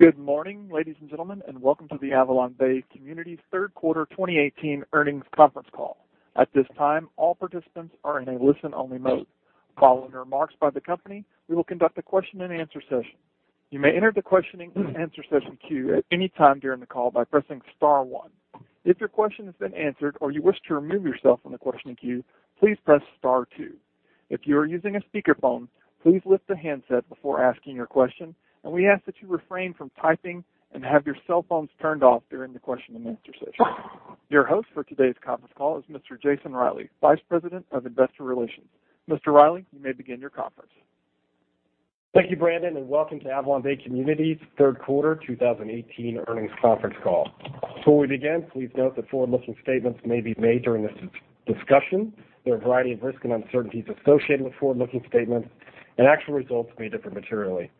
Good morning, ladies and gentlemen, welcome to the AvalonBay Communities third quarter 2018 earnings conference call. At this time, all participants are in a listen-only mode. Following remarks by the company, we will conduct a question and answer session. You may enter the question and answer session queue at any time during the call by pressing star one. If your question has been answered or you wish to remove yourself from the questioning queue, please press star two. If you are using a speakerphone, please lift the handset before asking your question, and we ask that you refrain from typing and have your cell phones turned off during the question and answer session. Your host for today's conference call is Mr. Jason Reilley, Vice President of Investor Relations. Mr. Reilley, you may begin your conference. Thank you, Brandon, welcome to AvalonBay Communities' third quarter 2018 earnings conference call. Before we begin, please note that forward-looking statements may be made during this discussion. There are a variety of risks and uncertainties associated with forward-looking statements, and actual results may differ materially.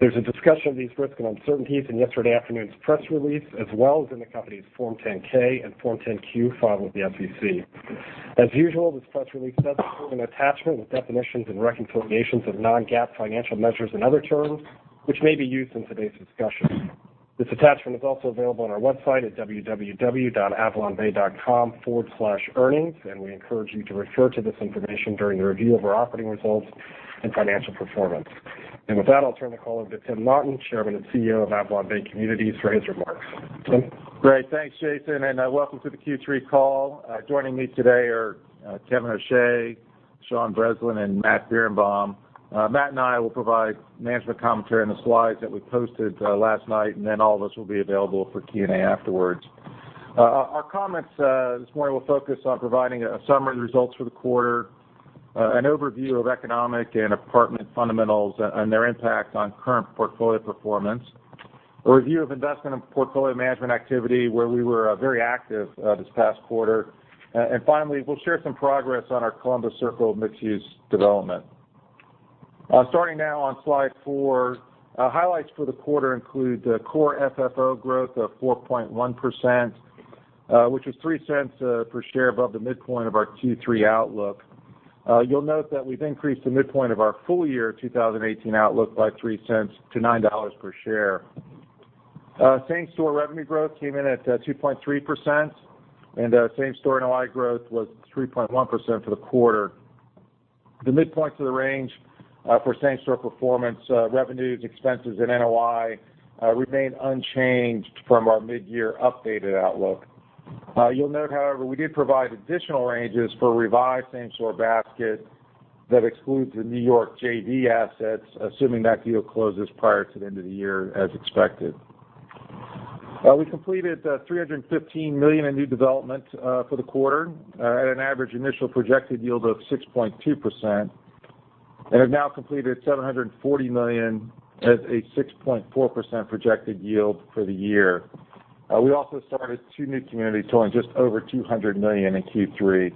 There is a discussion of these risks and uncertainties in yesterday afternoon's press release, as well as in the company's Form 10-K and Form 10-Q filed with the SEC. As usual, this press release does include an attachment with definitions and reconciliations of non-GAAP financial measures and other terms which may be used in today's discussion. This attachment is also available on our website at www.avalonbay.com/earnings, and we encourage you to refer to this information during the review of our operating results and financial performance. With that, I'll turn the call over to Tim Naughton, Chairman and CEO of AvalonBay Communities, for his remarks. Tim? Great. Thanks, Jason, welcome to the Q3 call. Joining me today are Kevin O'Shea, Sean Breslin, and Matthew Birenbaum. Matt and I will provide management commentary on the slides that we posted last night, then all of us will be available for Q&A afterwards. Our comments this morning will focus on providing a summary of the results for the quarter, an overview of economic and apartment fundamentals and their impact on current portfolio performance, a review of investment and portfolio management activity, where we were very active this past quarter. Finally, we'll share some progress on our Columbus Circle mixed-use development. Starting now on slide four, highlights for the quarter include the core FFO growth of 4.1%, which is $0.03 per share above the midpoint of our Q3 outlook. You'll note that we've increased the midpoint of our full year 2018 outlook by $0.03 to $9 per share. Same store revenue growth came in at 2.3%, and same store NOI growth was 3.1% for the quarter. The midpoints of the range for same store performance revenues, expenses, and NOI remain unchanged from our mid-year updated outlook. You'll note, however, we did provide additional ranges for a revised same store basket that excludes the New York JV assets, assuming that deal closes prior to the end of the year, as expected. We completed $315 million in new development for the quarter at an average initial projected yield of 6.2% and have now completed $740 million at a 6.4% projected yield for the year. We also started two new communities totaling just over $200 million in Q3.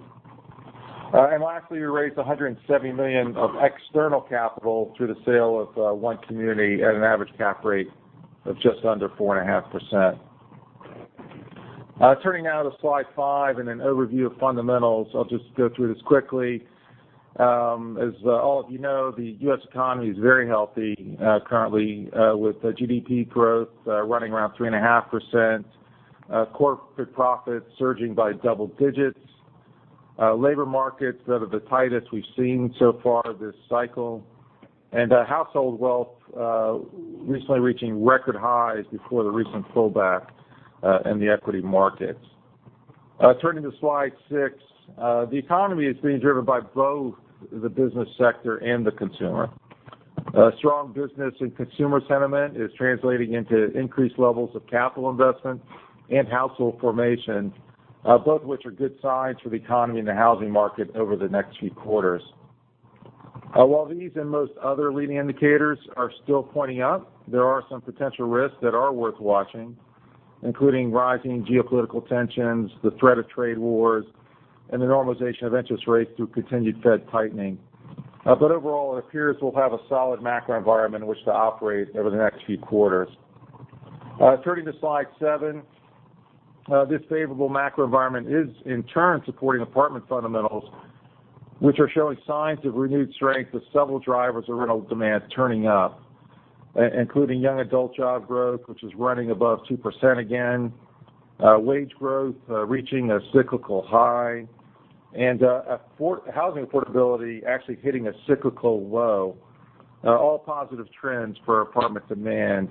Lastly, we raised $170 million of external capital through the sale of one community at an average cap rate of just under 4.5%. Turning now to slide five and an overview of fundamentals. I'll just go through this quickly. As all of you know, the U.S. economy is very healthy currently with GDP growth running around 3.5%, corporate profits surging by double digits, labor markets that are the tightest we've seen so far this cycle, and household wealth recently reaching record highs before the recent pullback in the equity markets. Turning to slide six. The economy is being driven by both the business sector and the consumer. Strong business and consumer sentiment is translating into increased levels of capital investment and household formation, both of which are good signs for the economy and the housing market over the next few quarters. While these and most other leading indicators are still pointing up, there are some potential risks that are worth watching, including rising geopolitical tensions, the threat of trade wars, and the normalization of interest rates through continued Fed tightening. Overall, it appears we'll have a solid macro environment in which to operate over the next few quarters. Turning to slide seven. This favorable macro environment is, in turn, supporting apartment fundamentals, which are showing signs of renewed strength with several drivers of rental demand turning up, including young adult job growth, which is running above 2% again, wage growth reaching a cyclical high, and housing affordability actually hitting a cyclical low, all positive trends for apartment demand.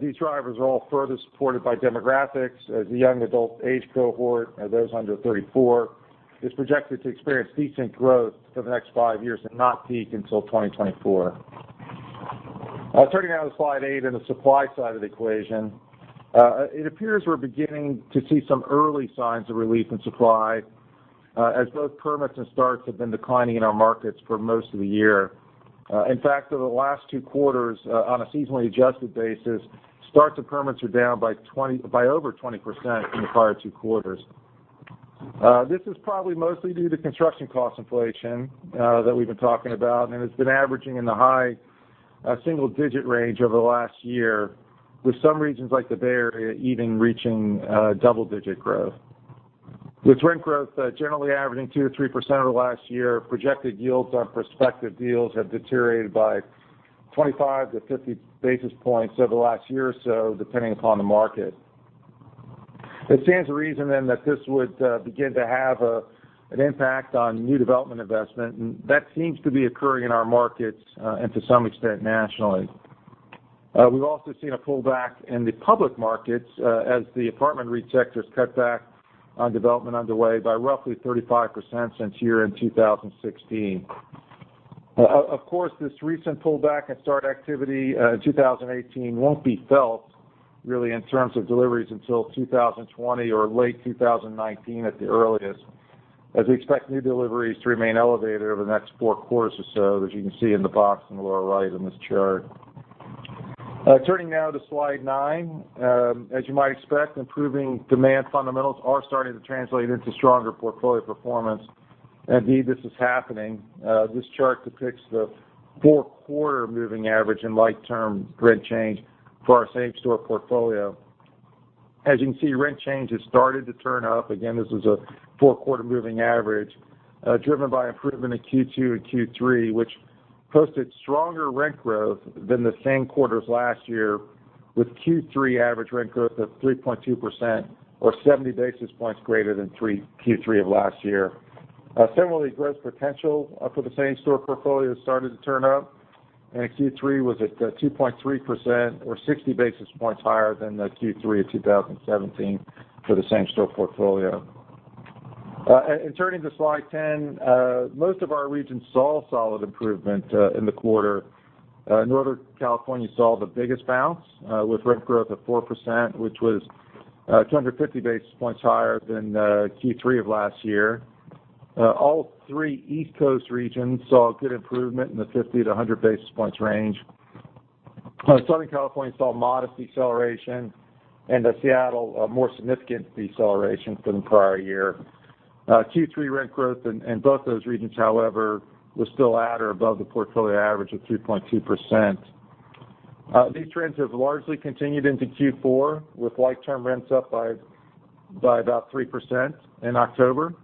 These drivers are all further supported by demographics as the young adult age cohort, those under 34, is projected to experience decent growth for the next five years and not peak until 2024. Turning now to slide eight and the supply side of the equation. It appears we're beginning to see some early signs of relief in supply as both permits and starts have been declining in our markets for most of the year. In fact, over the last two quarters, on a seasonally adjusted basis, starts and permits are down by over 20% from the prior two quarters. This is probably mostly due to construction cost inflation that we've been talking about. It's been averaging in the high single-digit range over the last year, with some regions like the Bay Area even reaching double-digit growth. With rent growth generally averaging 2%-3% over the last year, projected yields on prospective deals have deteriorated by 25-50 basis points over the last year or so, depending upon the market. It stands to reason then that this would begin to have an impact on new development investment. That seems to be occurring in our markets and to some extent nationally. We've also seen a pullback in the public markets as the apartment REIT sectors cut back on development underway by roughly 35% since year-end 2016. Of course, this recent pullback in start activity in 2018 won't be felt really in terms of deliveries until 2020 or late 2019 at the earliest, as we expect new deliveries to remain elevated over the next four quarters or so, as you can see in the box in the lower right in this chart. Turning now to slide nine. As you might expect, improving demand fundamentals are starting to translate into stronger portfolio performance. Indeed, this is happening. This chart depicts the four-quarter moving average in like-term rent change for our same-store portfolio. As you can see, rent change has started to turn up. Again, this is a four-quarter moving average driven by improvement in Q2 and Q3, which posted stronger rent growth than the same quarters last year with Q3 average rent growth of 3.2% or 70 basis points greater than Q3 of last year. Similarly, gross potential for the same-store portfolio started to turn up, and Q3 was at 2.3% or 60 basis points higher than the Q3 of 2017 for the same-store portfolio. Turning to slide 10. Most of our regions saw solid improvement in the quarter. Northern California saw the biggest bounce with rent growth of 4%, which was 250 basis points higher than Q3 of last year. All three East Coast regions saw good improvement in the 50 to 100 basis points range. Southern California saw modest deceleration and Seattle, a more significant deceleration from the prior year. Q3 rent growth in both those regions, however, was still at or above the portfolio average of 3.2%. These trends have largely continued into Q4 with like-term rents up by about 3% in October.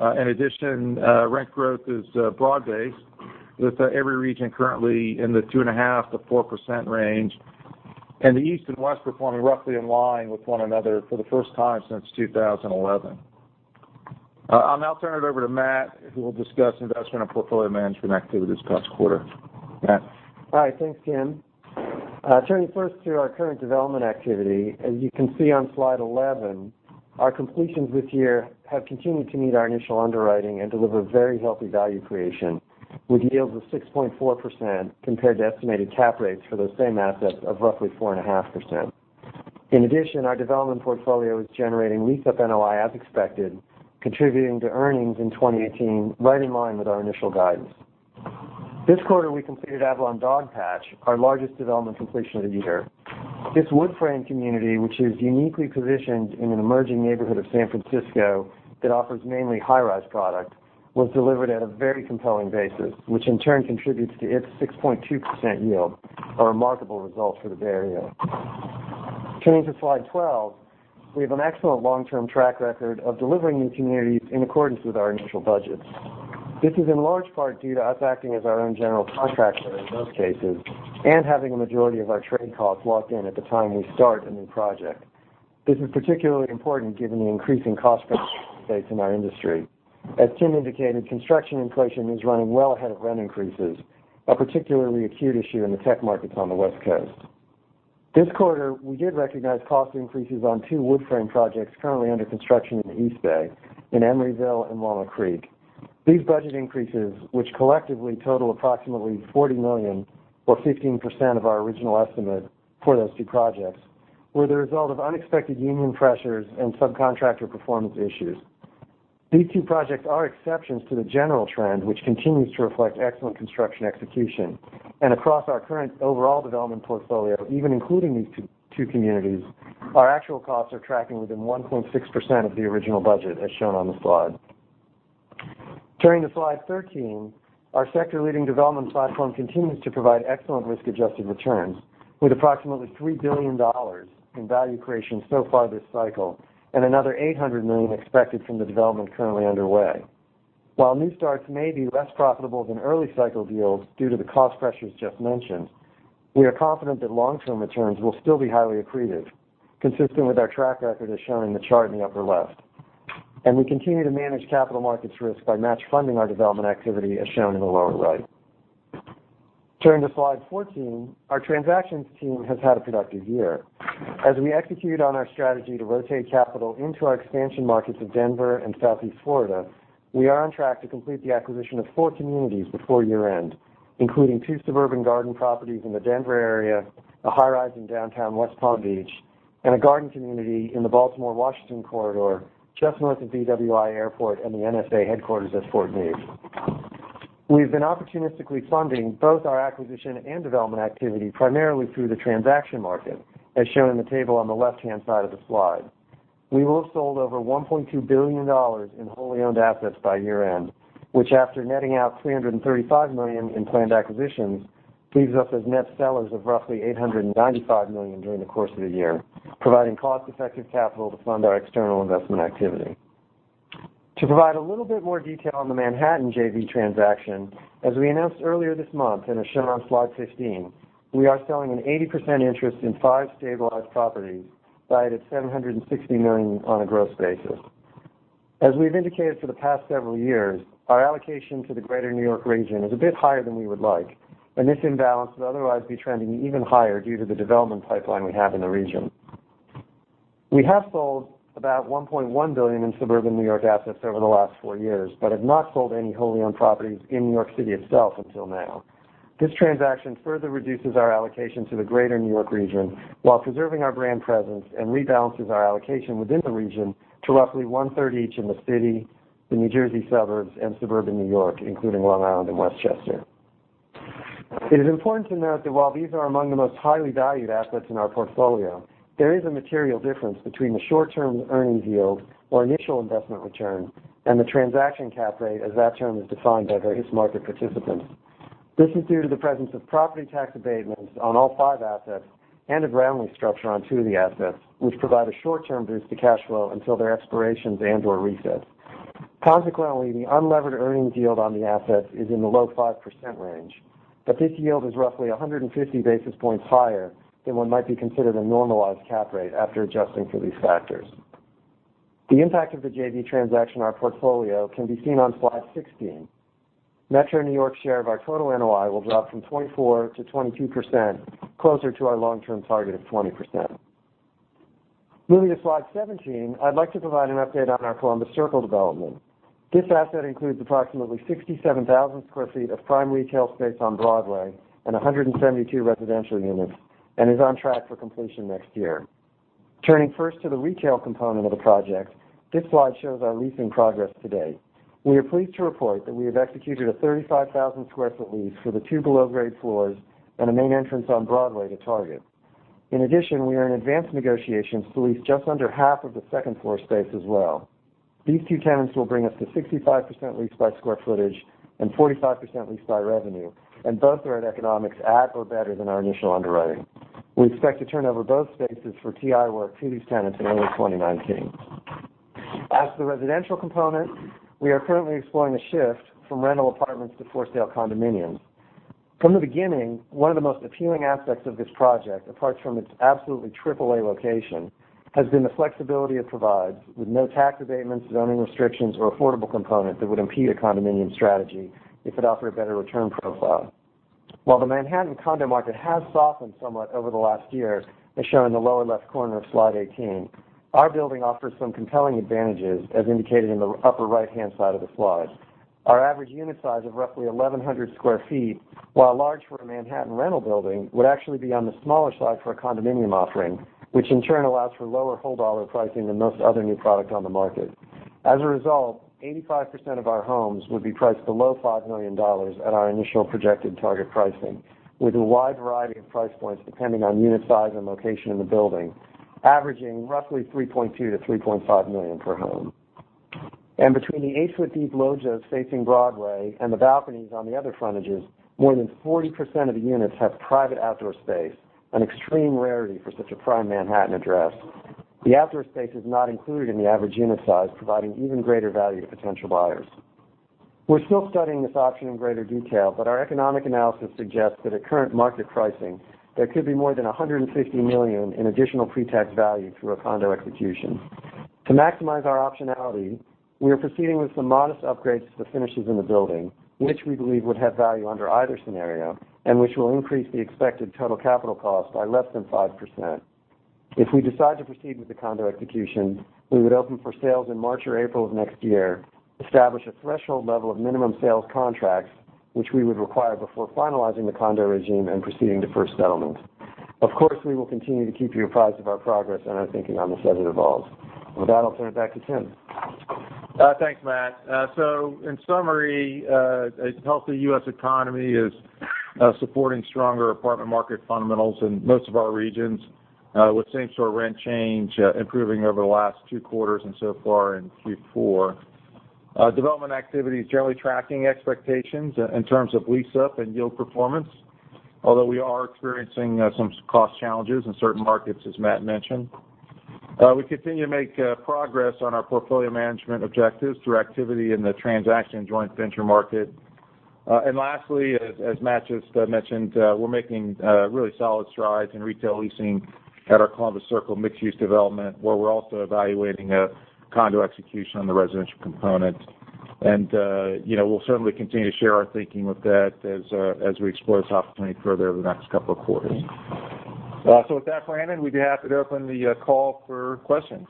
In addition, rent growth is broad-based with every region currently in the 2.5% to 4% range, and the East and West performing roughly in line with one another for the first time since 2011. I'll now turn it over to Matt, who will discuss investment and portfolio management activities this past quarter. Matt? Hi. Thanks, Tim. Turning first to our current development activity. As you can see on slide 11, our completions this year have continued to meet our initial underwriting and deliver very healthy value creation with yields of 6.4% compared to estimated cap rates for those same assets of roughly 4.5%. In addition, our development portfolio is generating lease-up NOI as expected, contributing to earnings in 2018 right in line with our initial guidance. This quarter, we completed Avalon Dogpatch, our largest development completion of the year. This wood-frame community, which is uniquely positioned in an emerging neighborhood of San Francisco that offers mainly high-rise product, was delivered at a very compelling basis, which in turn contributes to its 6.2% yield, a remarkable result for the Bay Area. Turning to slide 12. We have an excellent long-term track record of delivering new communities in accordance with our initial budgets. This is in large part due to us acting as our own general contractor in most cases and having a majority of our trade costs locked in at the time we start a new project. This is particularly important given the increasing cost pressures we face in our industry. As Tim indicated, construction inflation is running well ahead of rent increases, a particularly acute issue in the tech markets on the West Coast. This quarter, we did recognize cost increases on two wood-frame projects currently under construction in the East Bay in Emeryville and Walnut Creek. These budget increases, which collectively total approximately $40 million or 15% of our original estimate for those two projects, were the result of unexpected union pressures and subcontractor performance issues. These two projects are exceptions to the general trend, which continues to reflect excellent construction execution. Across our current overall development portfolio, even including these two communities, our actual costs are tracking within 1.6% of the original budget as shown on the slide. Turning to slide 13. Our sector leading development platform continues to provide excellent risk-adjusted returns with approximately $3 billion in value creation so far this cycle and another $800 million expected from the development currently underway. While new starts may be less profitable than early cycle deals due to the cost pressures just mentioned, we are confident that long-term returns will still be highly accretive, consistent with our track record as shown in the chart in the upper left. We continue to manage capital markets risk by match funding our development activity as shown in the lower right. Turning to slide 14. Our transactions team has had a productive year. As we execute on our strategy to rotate capital into our expansion markets of Denver and Southeast Florida, we are on track to complete the acquisition of four communities before year-end, including two suburban garden properties in the Denver area, a high-rise in downtown West Palm Beach, and a garden community in the Baltimore-Washington corridor just north of BWI Airport and the NSA headquarters at Fort Meade. We've been opportunistically funding both our acquisition and development activity primarily through the transaction market, as shown in the table on the left-hand side of the slide. We will have sold over $1.2 billion in wholly owned assets by year-end, which after netting out $335 million in planned acquisitions leaves us as net sellers of roughly $895 million during the course of the year, providing cost-effective capital to fund our external investment activity. To provide a little bit more detail on the Manhattan JV transaction, as we announced earlier this month and is shown on slide 15, we are selling an 80% interest in five stabilized properties, valued at $760 million on a gross basis. As we've indicated for the past several years, our allocation to the greater New York region is a bit higher than we would like, and this imbalance would otherwise be trending even higher due to the development pipeline we have in the region. We have sold about $1.1 billion in suburban New York assets over the last four years, but have not sold any wholly owned properties in New York City itself until now. This transaction further reduces our allocation to the greater New York region while preserving our brand presence and rebalances our allocation within the region to roughly one-third each in the city, the New Jersey suburbs, and suburban New York, including Long Island and Westchester. It is important to note that while these are among the most highly valued assets in our portfolio, there is a material difference between the short-term earnings yield or initial investment return, and the transaction cap rate as that term is defined by various market participants. This is due to the presence of property tax abatements on all five assets and a ground lease structure on two of the assets, which provide a short-term boost to cash flow until their expirations and/or resets. Consequently, the unlevered earnings yield on the assets is in the low 5% range, but this yield is roughly 150 basis points higher than what might be considered a normalized cap rate after adjusting for these factors. The impact of the JV transaction on our portfolio can be seen on slide 16. Metro New York's share of our total NOI will drop from 24% to 22%, closer to our long-term target of 20%. Moving to slide 17, I'd like to provide an update on our Columbus Circle development. This asset includes approximately 67,000 sq ft of prime retail space on Broadway and 172 residential units, and is on track for completion next year. Turning first to the retail component of the project, this slide shows our leasing progress to date. We are pleased to report that we have executed a 35,000 sq ft lease for the two below-grade floors and a main entrance on Broadway to Target. In addition, we are in advanced negotiations to lease just under half of the second-floor space as well. These two tenants will bring us to 65% leased by square footage and 45% leased by revenue, and both are at economics at or better than our initial underwriting. We expect to turn over both spaces for TI work to these tenants in early 2019. As for the residential component, we are currently exploring a shift from rental apartments to for-sale condominiums. From the beginning, one of the most appealing aspects of this project, apart from its absolutely triple-A location, has been the flexibility it provides, with no tax abatements, zoning restrictions, or affordable component that would impede a condominium strategy if it offered a better return profile. While the Manhattan condo market has softened somewhat over the last year, as shown in the lower-left corner of slide 18, our building offers some compelling advantages, as indicated in the upper right-hand side of the slide. Our average unit size of roughly 1,100 sq ft, while large for a Manhattan rental building, would actually be on the smaller side for a condominium offering, which in turn allows for lower whole dollar pricing than most other new product on the market. As a result, 85% of our homes would be priced below $5 million at our initial projected target pricing, with a wide variety of price points depending on unit size and location in the building, averaging roughly $3.2 million to $3.5 million per home. And between the 8-foot-deep loggias facing Broadway and the balconies on the other frontages, more than 40% of the units have private outdoor space, an extreme rarity for such a prime Manhattan address. The outdoor space is not included in the average unit size, providing even greater value to potential buyers. We are still studying this option in greater detail, but our economic analysis suggests that at current market pricing, there could be more than $150 million in additional pre-tax value through a condo execution. To maximize our optionality, we are proceeding with some modest upgrades to the finishes in the building, which we believe would have value under either scenario, and which will increase the expected total capital cost by less than 5%. If we decide to proceed with the condo execution, we would open for sales in March or April of next year, establish a threshold level of minimum sales contracts, which we would require before finalizing the condo regime and proceeding to first settlement. We will continue to keep you apprised of our progress and our thinking on this as it evolves. With that, I'll turn it back to Tim. Thanks, Matt. In summary, a healthy U.S. economy is supporting stronger apartment market fundamentals in most of our regions, with same-store rent change improving over the last two quarters and so far in Q4. Development activity is generally tracking expectations in terms of lease-up and yield performance. Although we are experiencing some cost challenges in certain markets, as Matt mentioned. We continue to make progress on our portfolio management objectives through activity in the transaction joint venture market. And lastly, as Matt just mentioned, we are making really solid strides in retail leasing at our Columbus Circle mixed-use development, where we are also evaluating a condo execution on the residential component. And we will certainly continue to share our thinking with that as we explore this opportunity further over the next couple of quarters. With that, Brandon, we'd be happy to open the call for questions.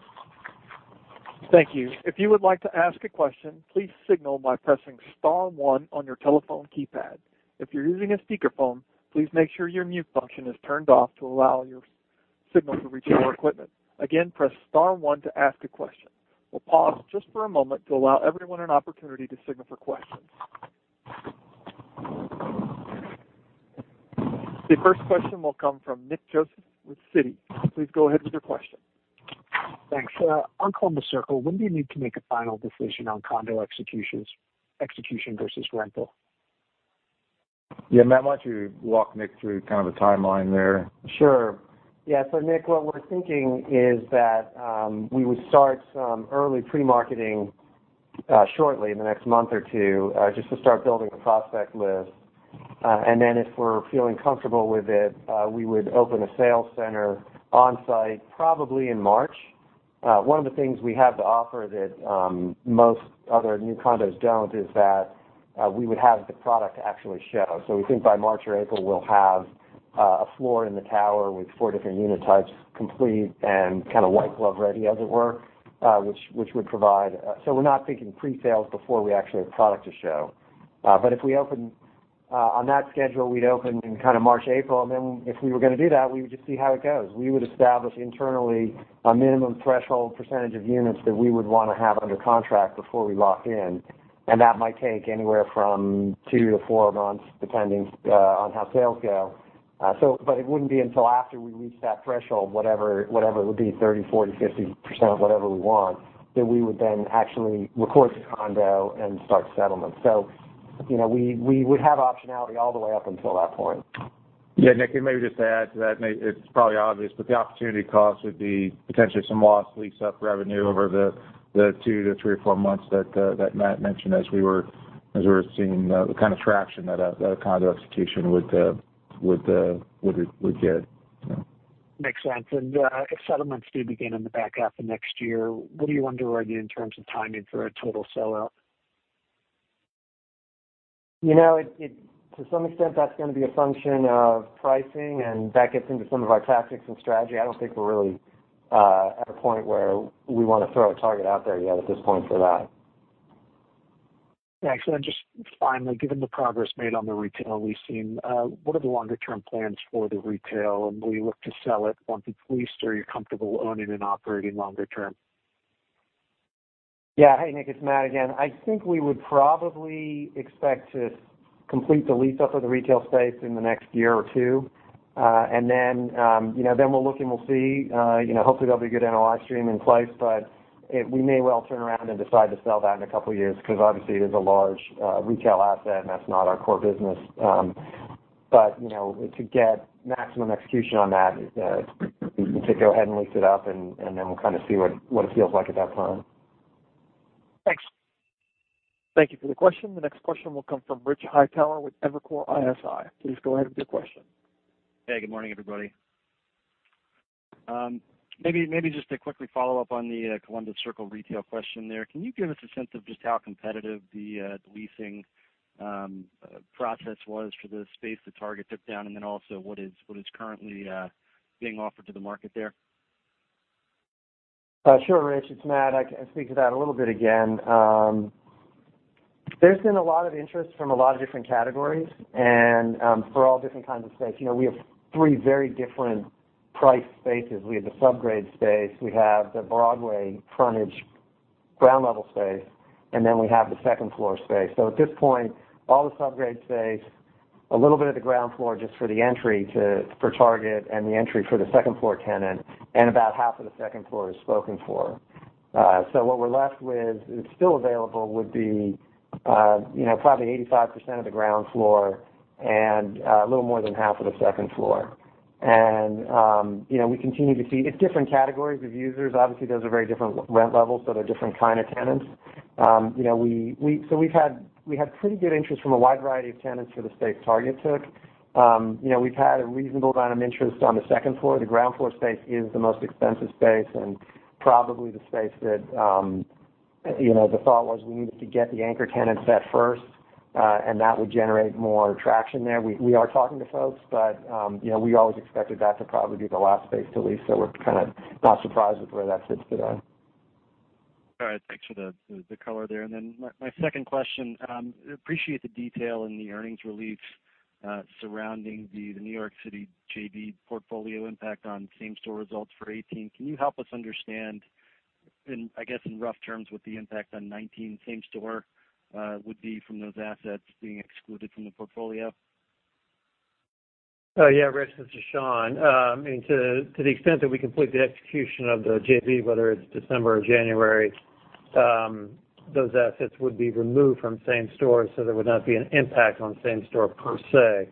Thank you. If you would like to ask a question, please signal by pressing star one on your telephone keypad. If you are using a speakerphone, please make sure your mute function is turned off to allow your signal to reach our equipment. Again, press star one to ask a question. We will pause just for a moment to allow everyone an opportunity to signal for questions. The first question will come from Nick Joseph with Citi. Please go ahead with your question. Thanks. On Columbus Circle, when do you need to make a final decision on condo executions, execution versus rental? Yeah, Matt, why don't you walk Nick through kind of a timeline there? Sure. Yeah. Nick, what we're thinking is that, we would start some early pre-marketing shortly in the next month or two, just to start building a prospect list. If we're feeling comfortable with it, we would open a sales center on-site probably in March. One of the things we have to offer that most other new condos don't is that we would have the product actually show. We think by March or April, we'll have a floor in the tower with four different unit types complete and kind of white glove ready, as it were, so we're not thinking pre-sales before we actually have the product to show. If we open on that schedule, we'd open in kind of March, April, and then if we were going to do that, we would just see how it goes. We would establish internally a minimum threshold percentage of units that we would want to have under contract before we lock in, and that might take anywhere from two to four months, depending on how sales go. It wouldn't be until after we reach that threshold, whatever it would be, 30%, 40%, 50%, whatever we want, that we would then actually record the condo and start settlement. We would have optionality all the way up until that point. Nick, maybe just to add to that, and it's probably obvious, but the opportunity cost would be potentially some lost lease-up revenue over the two to three or four months that Matt mentioned as we were seeing the kind of traction that a condo execution would get. Makes sense. If settlements do begin in the back half of next year, what are you underwriting in terms of timing for a total sellout? To some extent, that's going to be a function of pricing, and that gets into some of our tactics and strategy. I don't think we're really at a point where we want to throw a target out there yet at this point for that. Thanks. Then just finally, given the progress made on the retail we've seen, what are the longer-term plans for the retail, and will you look to sell it once it's leased, or are you comfortable owning and operating longer term? Yeah. Hey, Nick, it's Matt again. I think we would probably expect to complete the lease-up of the retail space in the next year or two. We'll look, and we'll see. Hopefully there'll be a good NOI stream in place, we may well turn around and decide to sell that in a couple of years because obviously it is a large retail asset, and that's not our core business. To get maximum execution on that, to go ahead and lease it up, we'll kind of see what it feels like at that time. Thanks. Thank you for the question. The next question will come from Rich Hightower with Evercore ISI. Please go ahead with your question. Hey, good morning, everybody. Maybe just to quickly follow up on the Columbus Circle retail question there. Can you give us a sense of just how competitive the leasing process was for the space that Target took down, and then also what is currently being offered to the market there? Sure, Rich, it's Matt. I can speak to that a little bit again. There's been a lot of interest from a lot of different categories and for all different kinds of space. We have three very different price spaces. We have the subgrade space, we have the Broadway frontage ground level space, we have the second-floor space. At this point, all the subgrade space, a little bit of the ground floor just for the entry for Target and the entry for the second-floor tenant, and about half of the second floor is spoken for. What we're left with that's still available would be probably 85% of the ground floor and a little more than half of the second floor. We continue to see it's different categories of users. Obviously, those are very different rent levels, so they're different kind of tenants. We've had pretty good interest from a wide variety of tenants for the space Target took. We've had a reasonable amount of interest on the second floor. The ground floor space is the most expensive space and probably the space that the thought was we needed to get the anchor tenant set first, and that would generate more traction there. We are talking to folks, but we always expected that to probably be the last space to lease, so we're kind of not surprised with where that sits today. All right. Thanks for the color there. My second question, appreciate the detail in the earnings release surrounding the New York City JV portfolio impact on same-store results for 2018. Can you help us understand in, I guess, in rough terms, what the impact on 2019 same-store would be from those assets being excluded from the portfolio? Yeah, Rich, this is Sean. To the extent that we complete the execution of the JV, whether it's December or January, those assets would be removed from same-store, so there would not be an impact on same-store per se.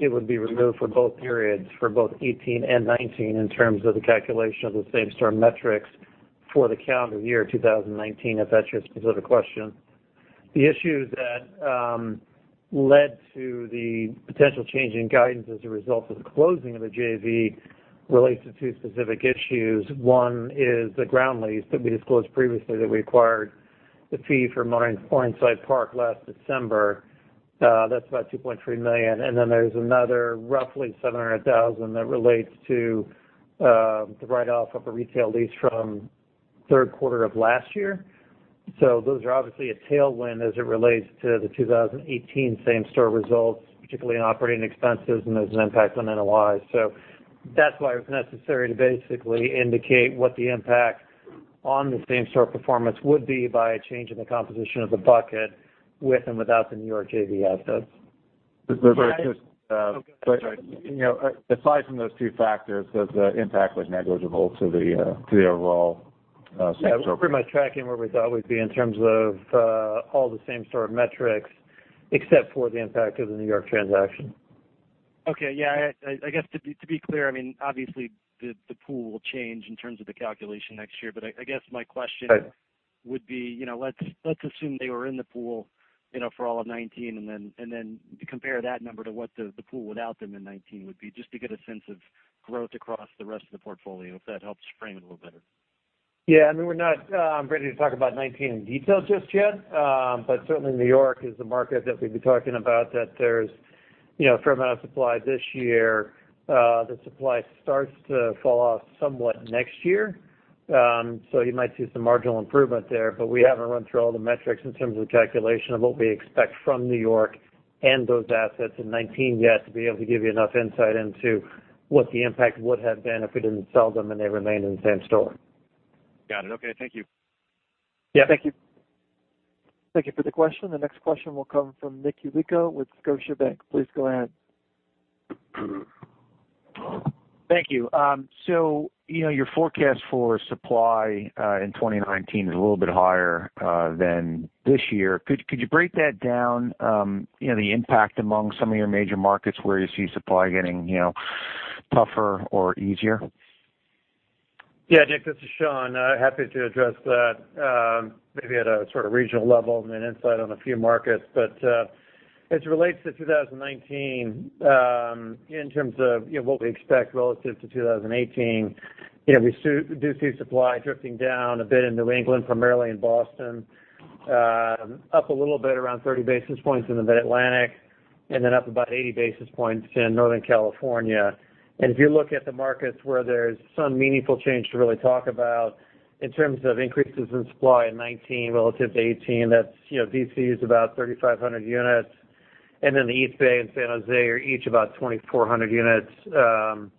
It would be removed for both periods, for both 2018 and 2019 in terms of the calculation of the same-store metrics for the calendar year 2019, if that's your specific question. The issues that led to the potential change in guidance as a result of the closing of the JV relates to two specific issues. One is the ground lease that we disclosed previously that we acquired the fee for Morningside Park last December. That's about $2.3 million, and then there's another roughly $700,000 that relates to the write-off of a retail lease from the third quarter of last year. Those are obviously a tailwind as it relates to the 2018 same-store results, particularly in operating expenses, and there's an impact on NOI. That's why it was necessary to basically indicate what the impact on the same-store performance would be by a change in the composition of the bucket with and without the New York JV assets. But just- Oh, go ahead. Sorry aside from those two factors, the impact was negligible to the overall same store. Yeah. We're pretty much tracking where we thought we'd be in terms of all the same sort of metrics, except for the impact of the New York transaction. Okay. Yeah. I guess to be clear, obviously, the pool will change in terms of the calculation next year, but I guess my question. Right would be, let's assume they were in the pool for all of 2019, and then compare that number to what the pool without them in 2019 would be, just to get a sense of growth across the rest of the portfolio, if that helps frame it a little better. Yeah. We're not ready to talk about 2019 in detail just yet. Certainly, New York is the market that we'd be talking about, that there's a fair amount of supply this year. The supply starts to fall off somewhat next year. You might see some marginal improvement there, but we haven't run through all the metrics in terms of the calculation of what we expect from New York and those assets in 2019 yet to be able to give you enough insight into what the impact would have been if we didn't sell them and they remained in the same store. Got it. Okay. Thank you. Yeah. Thank you. Thank you for the question. The next question will come from Nick Yulico with Scotiabank. Please go ahead. Thank you. Your forecast for supply in 2019 is a little bit higher than this year. Could you break that down, the impact among some of your major markets where you see supply getting tougher or easier? Yeah, Nick, this is Sean. Happy to address that maybe at a sort of regional level and then insight on a few markets. As it relates to 2019, in terms of what we expect relative to 2018, we do see supply drifting down a bit in New England, primarily in Boston, up a little bit around 30 basis points in the Mid-Atlantic, then up about 80 basis points in Northern California. If you look at the markets where there's some meaningful change to really talk about in terms of increases in supply in 2019 relative to 2018, that's D.C. is about 3,500 units, then the East Bay and San Jose are each about 2,400 units in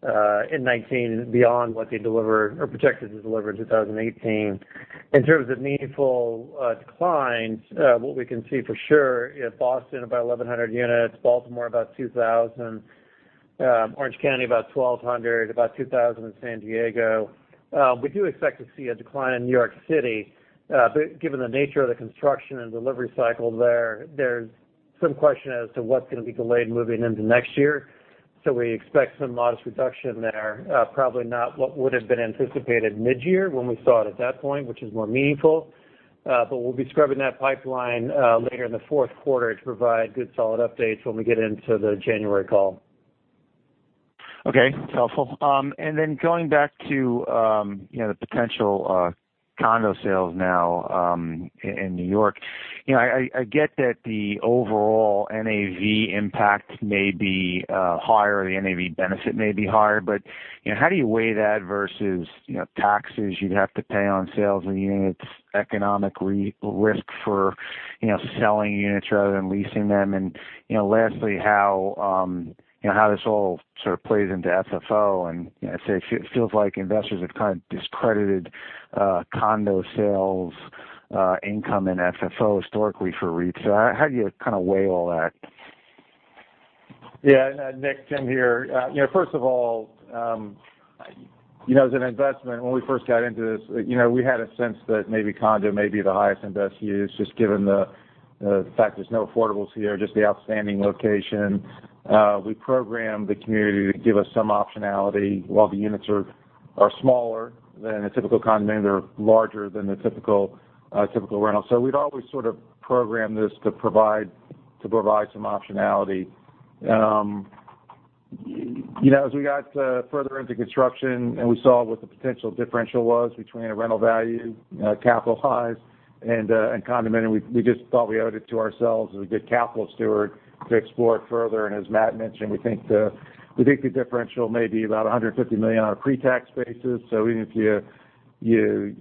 2019 beyond what they projected to deliver in 2018. In terms of meaningful declines, what we can see for sure, Boston about 1,100 units, Baltimore about 2,000, Orange County about 1,200, about 2,000 in San Diego. We do expect to see a decline in New York City. Given the nature of the construction and delivery cycle there's some question as to what's going to be delayed moving into next year. We expect some modest reduction there. Probably not what would've been anticipated mid-year when we saw it at that point, which is more meaningful. We'll be scrubbing that pipeline later in the fourth quarter to provide good, solid updates when we get into the January call. Okay. That's helpful. Going back to the potential condo sales now in New York. I get that the overall NAV impact may be higher, the NAV benefit may be higher, how do you weigh that versus taxes you'd have to pay on sales of units, economic risk for selling units rather than leasing them? Lastly, how this all sort of plays into FFO, and it feels like investors have kind of discredited condo sales income and FFO historically for REITs. How do you kind of weigh all that? Yeah. Nick, Tim here. First of all, as an investment, when we first got into this, we had a sense that maybe condo may be the highest and best use, just given the fact there's no affordables here, just the outstanding location. We programmed the community to give us some optionality. While the units are smaller than a typical condominium, they're larger than the typical rental. We'd always sort of programmed this to provide some optionality. As we got further into construction and we saw what the potential differential was between a rental value, capital highs, and condominium, we just thought we owed it to ourselves as a good capital steward to explore it further. As Matt mentioned, we think the differential may be about $150 million on a pre-tax basis. Even if you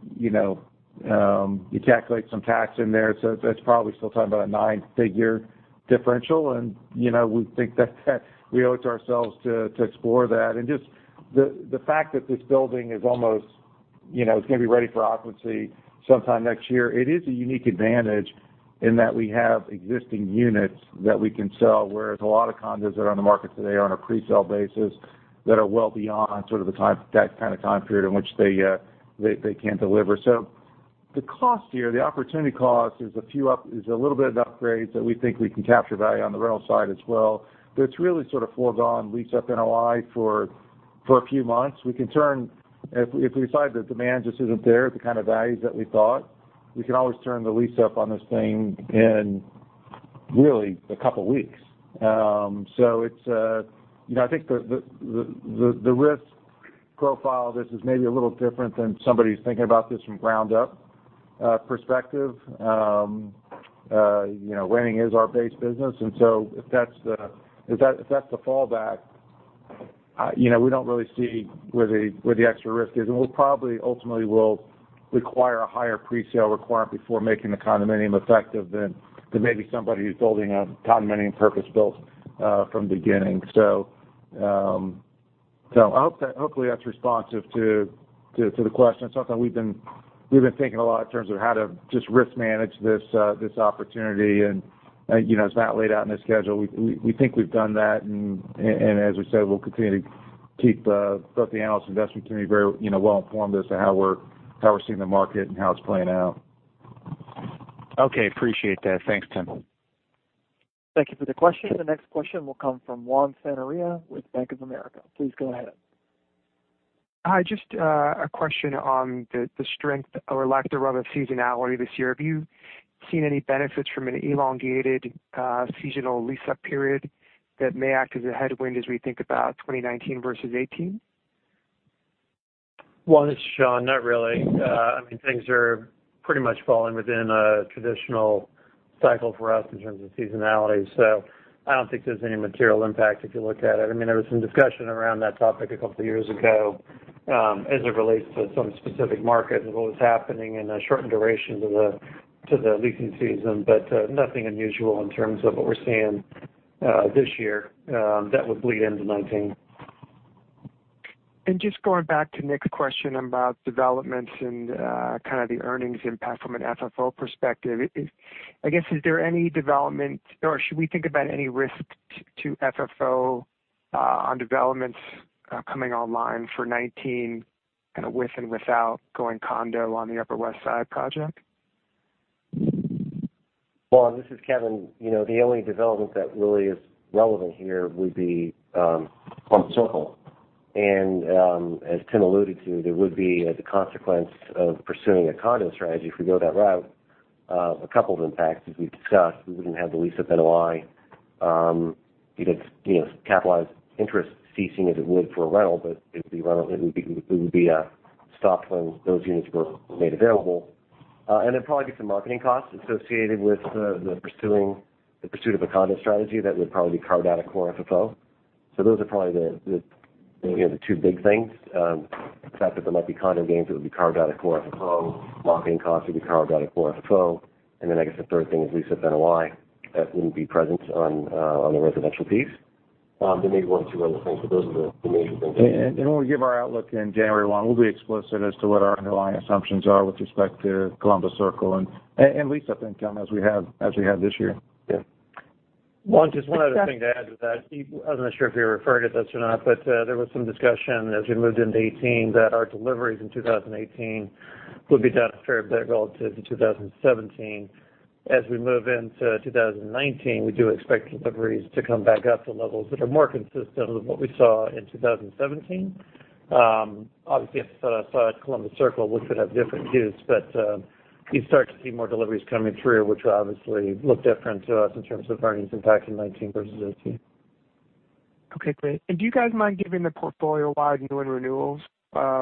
calculate some tax in there, it's probably still talking about a nine-figure differential. We think that we owe it to ourselves to explore that. Just the fact that this building is going to be ready for occupancy sometime next year, it is a unique advantage in that we have existing units that we can sell, whereas a lot of condos that are on the market today are on a presale basis that are well beyond sort of that kind of time period in which they can deliver. The cost here, the opportunity cost is a little bit of upgrades that we think we can capture value on the rental side as well. It's really sort of foregone lease-up NOI for a few months. If we decide the demand just isn't there at the kind of values that we thought, we can always turn the lease up on this thing in really a couple of weeks. I think the risk profile of this is maybe a little different than somebody who's thinking about this from ground-up perspective. Renting is our base business, if that's the fallback, we don't really see where the extra risk is. We probably ultimately will require a higher presale requirement before making the condominium effective than maybe somebody who's building a condominium purpose-built from beginning. Hopefully that's responsive to the question. It's something we've been thinking a lot in terms of how to just risk manage this opportunity, it's not laid out in the schedule. We think we've done that, as we said, we'll continue to keep both the analysts and investment community very well informed as to how we're seeing the market and how it's playing out. Okay. Appreciate that. Thanks, Tim. Thank you for the question. The next question will come from Juan Sanabria with Bank of America. Please go ahead. Hi, just a question on the strength or lack thereof of seasonality this year. Have you seen any benefits from an elongated seasonal lease-up period that may act as a headwind as we think about 2019 versus 2018? Juan, this is Sean. Not really. Things are pretty much falling within a traditional cycle for us in terms of seasonality. I don't think there's any material impact if you look at it. There was some discussion around that topic a couple of years ago as it relates to some specific markets and what was happening in a shortened duration to the leasing season. Nothing unusual in terms of what we're seeing this year that would bleed into 2019. Just going back to Nick's question about developments and kind of the earnings impact from an FFO perspective, I guess, is there any development, or should we think about any risk to FFO on developments coming online for 2019, kind of with and without going condo on the Upper West Side project? Juan, this is Kevin. The only development that really is relevant here would be Columbus Circle. As Tim alluded to, there would be, as a consequence of pursuing a condo strategy, if we go that route, a couple of impacts, as we've discussed. We wouldn't have the lease-up NOI. You'd have capitalized interest ceasing as it would for a rental, but it would be a stop when those units were made available. Then probably get some marketing costs associated with the pursuit of a condo strategy that would probably be carved out of core FFO. Those are probably the two big things. The fact that there might be condo gains that would be carved out of core FFO. Marketing costs would be carved out of core FFO. Then I guess the third thing is lease-up NOI that wouldn't be present on the residential piece. There may be one or two other things, those are the major things. When we give our outlook in January, Juan, we'll be explicit as to what our underlying assumptions are with respect to Columbus Circle and lease-up income as we have this year. Yeah. Juan, just one other thing to add to that. I'm not sure if you're referring to this or not, but there was some discussion as we moved into 2018 that our deliveries in 2018 would be down a fair bit relative to 2017. As we move into 2019, we do expect deliveries to come back up to levels that are more consistent with what we saw in 2017. Obviously at Columbus Circle, we could have different views, but you start to see more deliveries coming through, which will obviously look different to us in terms of earnings impact in 2019 versus 2018. Okay, great. Do you guys mind giving the portfolio-wide new and renewals for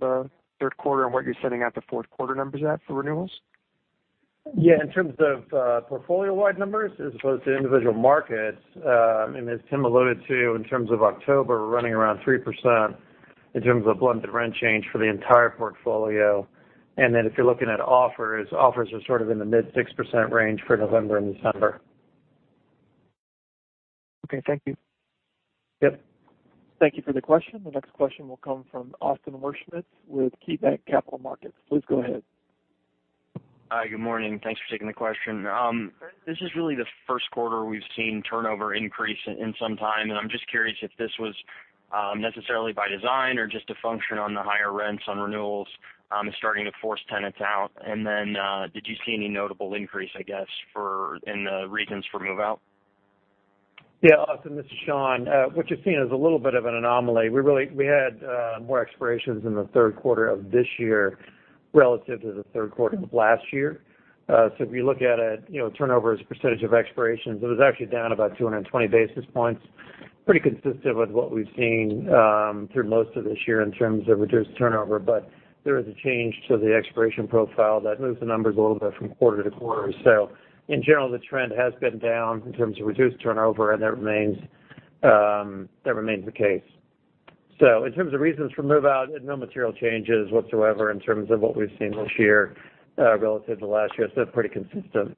the third quarter and where you're sitting at the fourth quarter numbers at for renewals? Yeah. In terms of portfolio-wide numbers as opposed to individual markets, and as Tim alluded to, in terms of October, we're running around 3% in terms of blended rent change for the entire portfolio. Then if you're looking at offers are sort of in the mid-6% range for November and December. Okay. Thank you. Yep. Thank you for the question. The next question will come from Austin Wurschmidt with KeyBanc Capital Markets. Please go ahead. Hi. Good morning. Thanks for taking the question. This is really the first quarter we've seen turnover increase in some time, I'm just curious if this was necessarily by design or just a function on the higher rents on renewals starting to force tenants out. Did you see any notable increase, I guess, in the reasons for move-out? Yeah, Austin, this is Sean. What you're seeing is a little bit of an anomaly. We had more expirations in the third quarter of this year relative to the third quarter of last year. If you look at it, turnover as a percentage of expirations, it was actually down about 220 basis points. Pretty consistent with what we've seen through most of this year in terms of reduced turnover. There is a change to the expiration profile that moves the numbers a little bit from quarter to quarter. In general, the trend has been down in terms of reduced turnover, and that remains the case. In terms of reasons for move-out, no material changes whatsoever in terms of what we've seen this year relative to last year. Pretty consistent.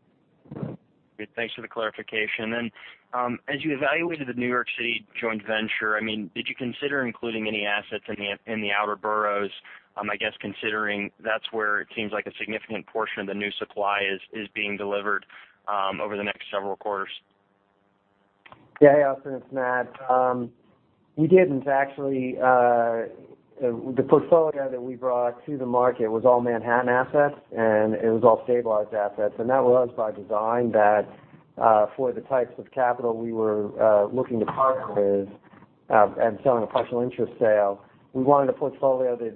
Good. Thanks for the clarification. As you evaluated the New York City joint venture, did you consider including any assets in the outer boroughs? I guess considering that's where it seems like a significant portion of the new supply is being delivered over the next several quarters. Yeah. Austin, it's Matt. We didn't actually. The portfolio that we brought to the market was all Manhattan assets, and it was all stabilized assets. That was by design that for the types of capital we were looking to partner with and selling a partial interest sale, we wanted a portfolio that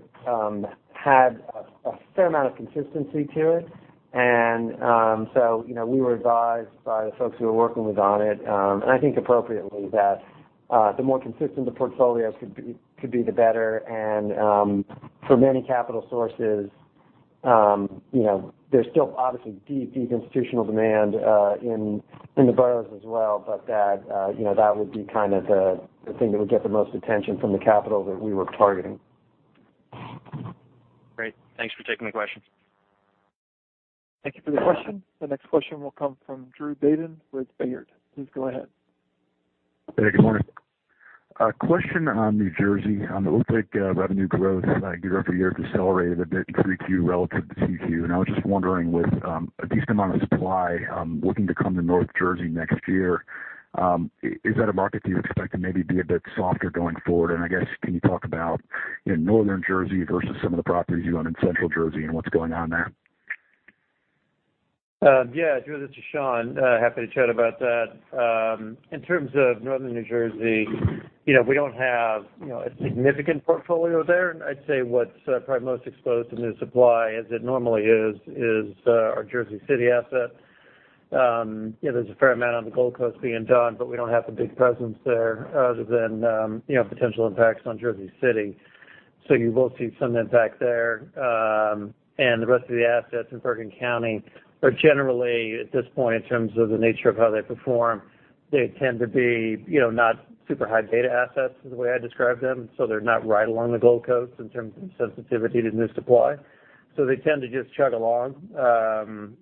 had a fair amount of consistency to it. So we were advised by the folks we were working with on it, and I think appropriately, that the more consistent the portfolio could be, the better. For many capital sources there's still obviously deep institutional demand in the boroughs as well. That would be kind of the thing that would get the most attention from the capital that we were targeting. Great. Thanks for taking the question. Thank you for the question. The next question will come from Drew Babin with Baird. Please go ahead. Good morning. A question on New Jersey. It looks like revenue growth year-over-year decelerated a bit in Q3 relative to Q2. I was just wondering, with a decent amount of supply looking to come to North Jersey next year, is that a market that you expect to maybe be a bit softer going forward? I guess, can you talk about Northern Jersey versus some of the properties you own in Central Jersey and what's going on there? Yeah, Drew, this is Sean. Happy to chat about that. In terms of northern New Jersey, we don't have a significant portfolio there. I'd say what's probably most exposed to new supply as it normally is our Jersey City asset. There's a fair amount on the Gold Coast being done, we don't have a big presence there other than potential impacts on Jersey City. You will see some impact there. The rest of the assets in Bergen County are generally, at this point, in terms of the nature of how they perform, they tend to be not super high beta assets, is the way I describe them. They're not right along the Gold Coast in terms of sensitivity to new supply. They tend to just chug along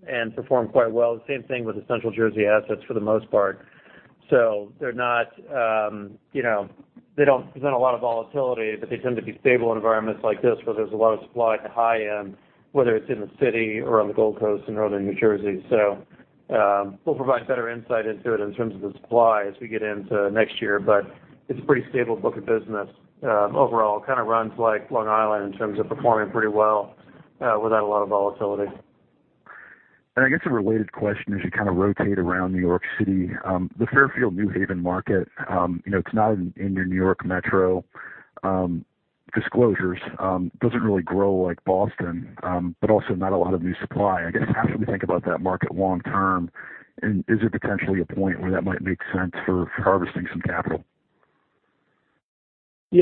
and perform quite well. The same thing with the Central Jersey assets for the most part. They don't present a lot of volatility, they tend to be stable in environments like this where there's a lot of supply at the high end, whether it's in the city or on the Gold Coast in Northern New Jersey. We'll provide better insight into it in terms of the supply as we get into next year. It's a pretty stable book of business overall. Kind of runs like Long Island in terms of performing pretty well without a lot of volatility. I guess a related question as you kind of rotate around New York City, the Fairfield New Haven market, it's not in your New York Metro disclosures. Doesn't really grow like Boston, also not a lot of new supply. I guess, how should we think about that market long term? Is there potentially a point where that might make sense for harvesting some capital?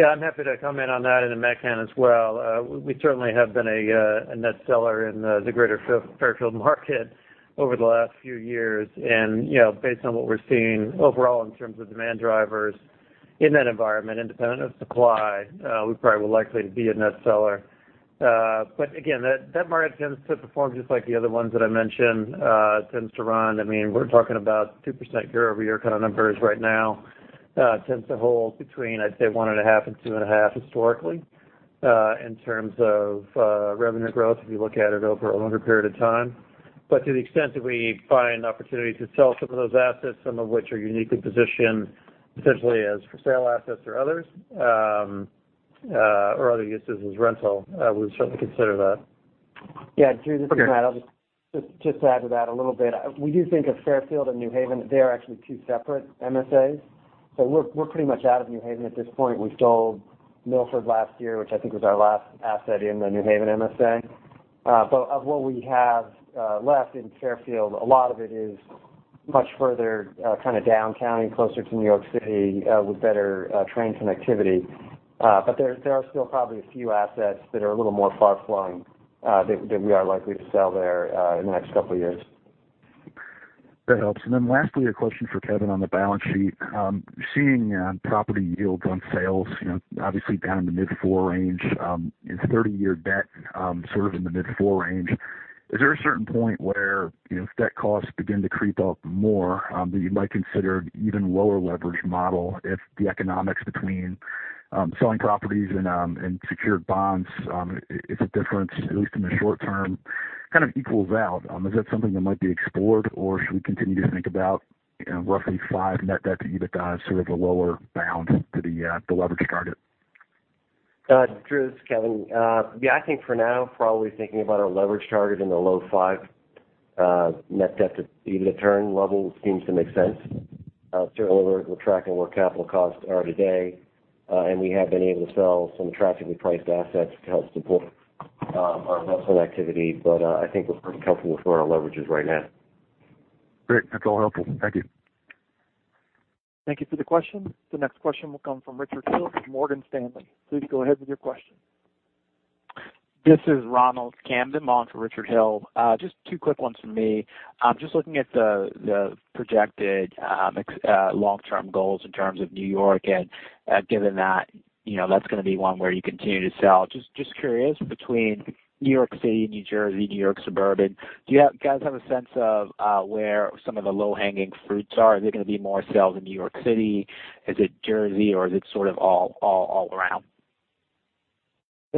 I'm happy to comment on that in a mechanic as well. We certainly have been a net seller in the greater Fairfield market over the last few years. Based on what we're seeing overall in terms of demand drivers in that environment, independent of supply, we probably will likely to be a net seller. Again, that market tends to perform just like the other ones that I mentioned. Tends to run, we're talking about 2% year-over-year kind of numbers right now. Tends to hold between, I'd say 1.5% and 2.5% historically, in terms of revenue growth if you look at it over a longer period of time. To the extent that we find opportunities to sell some of those assets, some of which are uniquely positioned potentially as for sale assets or other uses as rental, we certainly consider that. Drew, this is Matt. I'll just add to that a little bit. We do think of Fairfield and New Haven, they are actually two separate MSAs. We're pretty much out of New Haven at this point. We sold Milford last year, which I think was our last asset in the New Haven MSA. Of what we have left in Fairfield, a lot of it is much further kind of downtown and closer to New York City, with better train connectivity. There are still probably a few assets that are a little more far-flung that we are likely to sell there in the next couple of years. That helps. Then lastly, a question for Kevin on the balance sheet. Seeing property yields on sales obviously down in the mid-4% range, and 30-year debt sort of in the mid-4% range. Is there a certain point where if debt costs begin to creep up more, that you might consider even lower leverage model if the economics between selling properties and secured bonds, if the difference, at least in the short term, kind of equals out? Is that something that might be explored, or should we continue to think about roughly five net debt to EBITDA as sort of a lower bound to the leverage target? Drew, this is Kevin. I think for now, probably thinking about our leverage target in the low five net debt to EBITDA turn level seems to make sense. Certainly we're tracking where capital costs are today. We have been able to sell some attractively priced assets to help support our investment activity. I think we're pretty comfortable with where our leverage is right now. Great. That's all helpful. Thank you. Thank you for the question. The next question will come from Richard Hill with Morgan Stanley. Please go ahead with your question. This is Ronald Kamdem on for Richard Hill. Just two quick ones from me. Just looking at the projected long-term goals in terms of New York, and given that that's going to be one where you continue to sell. Just curious between New York City, New Jersey, New York suburban, do you guys have a sense of where some of the low-hanging fruits are? Are there going to be more sales in New York City? Is it Jersey, or is it sort of all around?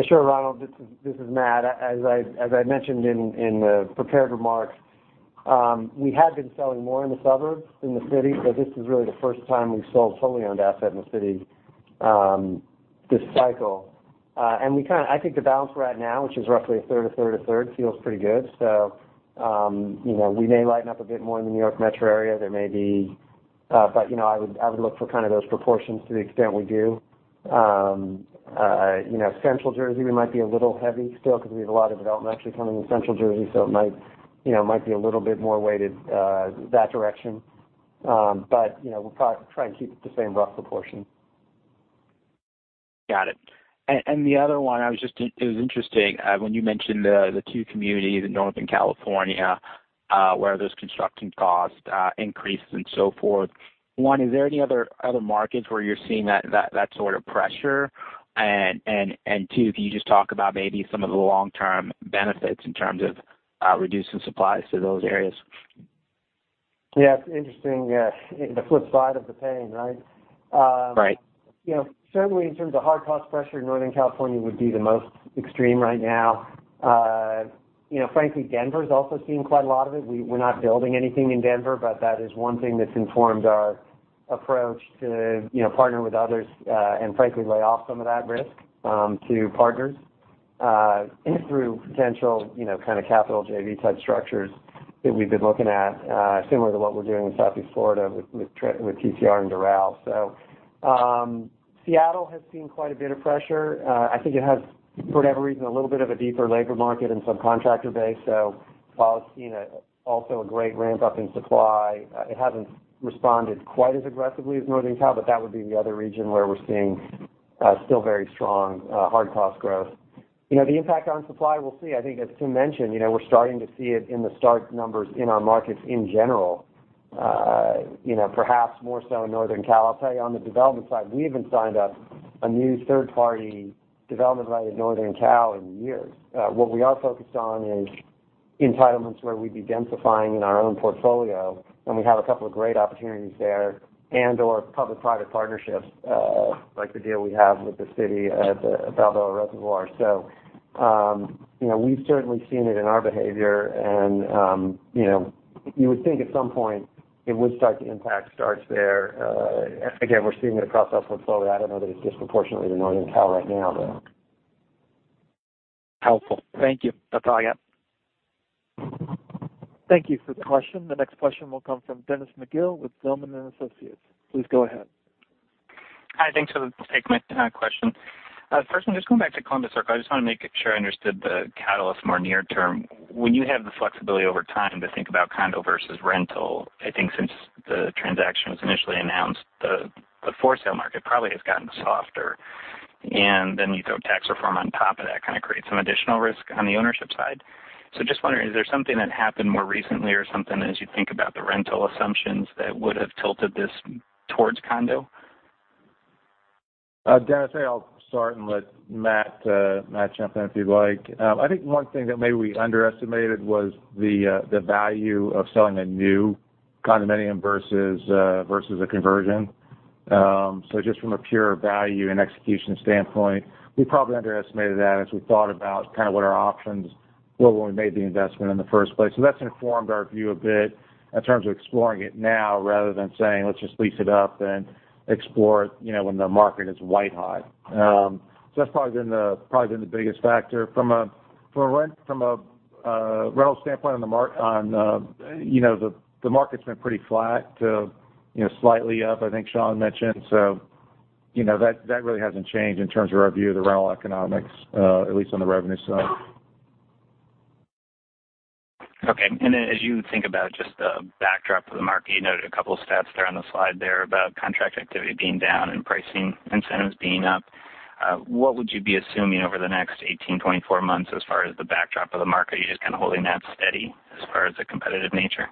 Sure, Ronald, this is Matt. As I mentioned in the prepared remarks, we have been selling more in the suburbs than the city. This is really the first time we've sold fully owned asset in the city this cycle. I think the balance right now, which is roughly a third, a third, a third feels pretty good. We may lighten up a bit more in the New York Metro area. I would look for kind of those proportions to the extent we do. Central Jersey, we might be a little heavy still because we have a lot of development actually coming in Central Jersey, so it might be a little bit more weighted that direction. We'll try and keep it the same rough proportion. Got it. The other one, it was interesting when you mentioned the two communities in Northern California where those construction cost increases and so forth. One, are there any other markets where you're seeing that sort of pressure? Two, can you just talk about maybe some of the long-term benefits in terms of reducing supplies to those areas? Yeah. It's interesting. The flip side of the pain, right? Right. Certainly, in terms of hard cost pressure, Northern California would be the most extreme right now. Frankly, Denver's also seeing quite a lot of it. We're not building anything in Denver, but that is one thing that's informed our approach to partner with others, and frankly lay off some of that risk to partners, and through potential kind of capital JV-type structures that we've been looking at, similar to what we're doing in Southeast Florida with TCR in Doral. Seattle has seen quite a bit of pressure. I think it has, for whatever reason, a little bit of a deeper labor market and subcontractor base. While it's seen also a great ramp-up in supply, it hasn't responded quite as aggressively as Northern Cal, but that would be the other region where we're seeing still very strong hard cost growth. The impact on supply, we'll see. I think as Tim mentioned, we're starting to see it in the start numbers in our markets in general. Perhaps more so in Northern Cal. I'll tell you, on the development side, we haven't signed up a new third-party development right in Northern Cal in years. What we are focused on is entitlements where we'd be densifying in our own portfolio, and we have a couple of great opportunities there, and/or public-private partnerships, like the deal we have with the city at the Balboa Reservoir. We've certainly seen it in our behavior and you would think at some point it would start to impact starts there. Again, we're seeing it across our portfolio. I don't know that it's disproportionately to Northern Cal right now, though. Helpful. Thank you. That's all I got. Thank you for the question. The next question will come from Dennis McGill with Zelman & Associates. Please go ahead. Hi, thanks for taking my question. First one, just going back to Columbus Circle, I just want to make sure I understood the catalyst more near term. When you have the flexibility over time to think about condo versus rental, I think since the transaction was initially announced, the for-sale market probably has gotten softer. Then you throw tax reform on top of that, kind of creates some additional risk on the ownership side. Just wondering, is there something that happened more recently or something as you think about the rental assumptions that would have tilted this towards condo? Dennis, I'll start and let Matt jump in if you'd like. I think one thing that maybe we underestimated was the value of selling a new condominium versus a conversion. Just from a pure value and execution standpoint, we probably underestimated that as we thought about kind of what our options were when we made the investment in the first place. That's informed our view a bit in terms of exploring it now, rather than saying, let's just lease it up and explore it when the market is white hot. That's probably been the biggest factor. From a rental standpoint on the market, the market's been pretty flat, slightly up, I think Sean mentioned. That really hasn't changed in terms of our view of the rental economics, at least on the revenue side. Okay. As you think about just the backdrop of the market, you noted a couple stats there on the slide there about contract activity being down and pricing incentives being up. What would you be assuming over the next 18-24 months as far as the backdrop of the market? Are you just kind of holding that steady as far as the competitive nature?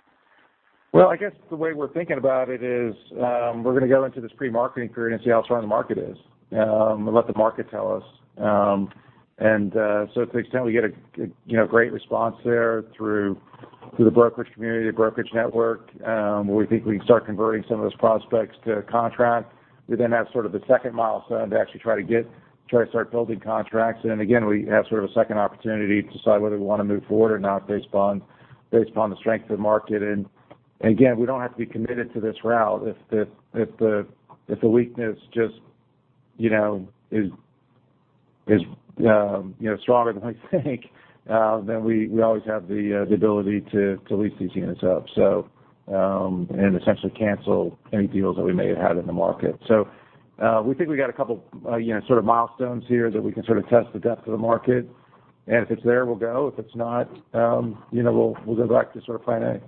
Well, I guess the way we're thinking about it is, we're going to go into this pre-marketing period and see how strong the market is, and let the market tell us. To the extent we get a great response there through the brokerage community, the brokerage network, where we think we can start converting some of those prospects to contract. We have sort of the second milestone to actually try to start building contracts. Again, we have sort of a second opportunity to decide whether we want to move forward or not based on the strength of the market. Again, we don't have to be committed to this route. If the weakness just is stronger than we think, then we always have the ability to lease these units up, and essentially cancel any deals that we may have had in the market. We think we got a couple sort of milestones here that we can sort of test the depth of the market. If it's there, we'll go. If it's not, we'll go back to sort of plan A.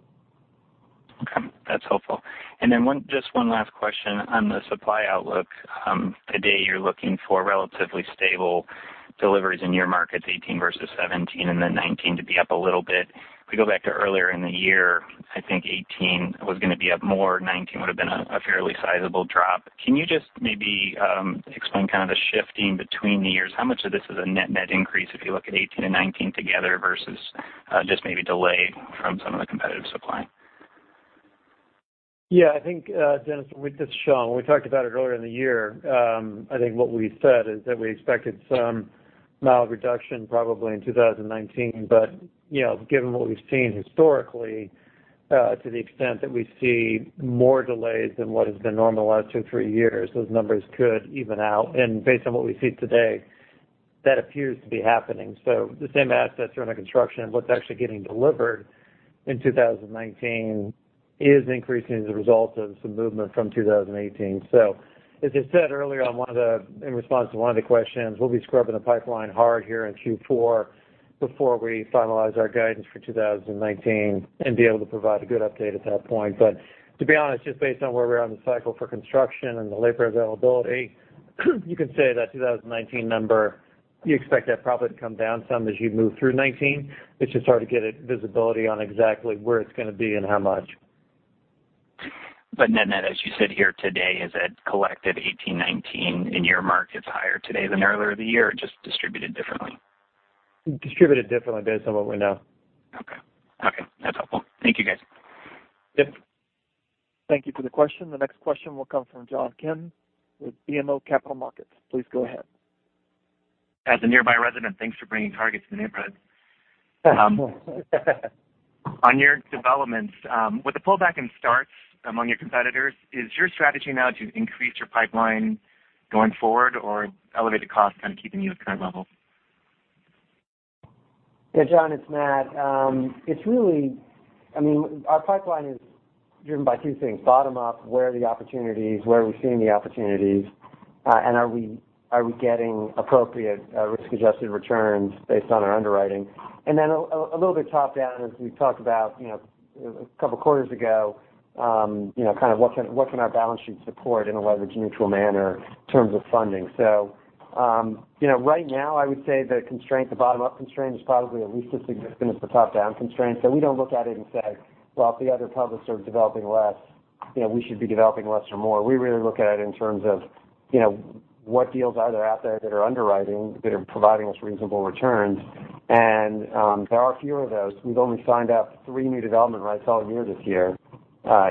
Okay. That's helpful. Just one last question on the supply outlook. Today, you're looking for relatively stable deliveries in your markets 2018 versus 2017, 2019 to be up a little bit. If we go back to earlier in the year, I think 2018 was going to be up more, 2019 would've been a fairly sizable drop. Can you just maybe explain kind of the shifting between the years? How much of this is a net-net increase if you look at 2018 and 2019 together versus just maybe delay from some of the competitive supply? I think, Dennis, this is Sean. We talked about it earlier in the year. I think what we said is that we expected some mild reduction probably in 2019. Given what we've seen historically, to the extent that we see more delays than what has been normal the last two, three years, those numbers could even out. Based on what we see today, that appears to be happening. The same assets are under construction. What's actually getting delivered in 2019 is increasing as a result of some movement from 2018. As I said earlier in response to one of the questions, we'll be scrubbing the pipeline hard here in Q4 before we finalize our guidance for 2019 and be able to provide a good update at that point. To be honest, just based on where we are in the cycle for construction and the labor availability. You can say that 2019 number, you expect that probably to come down some as you move through 2019. It's just hard to get visibility on exactly where it's going to be and how much. Net, as you sit here today, is it collected 2018, 2019 in your markets higher today than earlier of the year or just distributed differently? Distributed differently based on what we know. Okay. That's helpful. Thank you, guys. Yep. Thank you for the question. The next question will come from John Kim with BMO Capital Markets. Please go ahead. As a nearby resident, thanks for bringing Target to the neighborhood. On your developments, with the pullback in starts among your competitors, is your strategy now to increase your pipeline going forward or elevated costs kind of keeping you at current levels? Yeah, John, it's Matt. Our pipeline is driven by two things. Bottom up, where are the opportunities? Where are we seeing the opportunities? Are we getting appropriate risk-adjusted returns based on our underwriting? Then a little bit top-down, as we talked about a couple of quarters ago, what can our balance sheet support in a leverage-neutral manner in terms of funding? Right now, I would say the constraint, the bottom-up constraint, is probably at least as significant as the top-down constraint. We don't look at it and say, "Well, if the other public starts developing less, we should be developing less or more." We really look at it in terms of what deals are there out there that are underwriting that are providing us reasonable returns. There are fewer of those. We've only signed up three new development rights all year this year.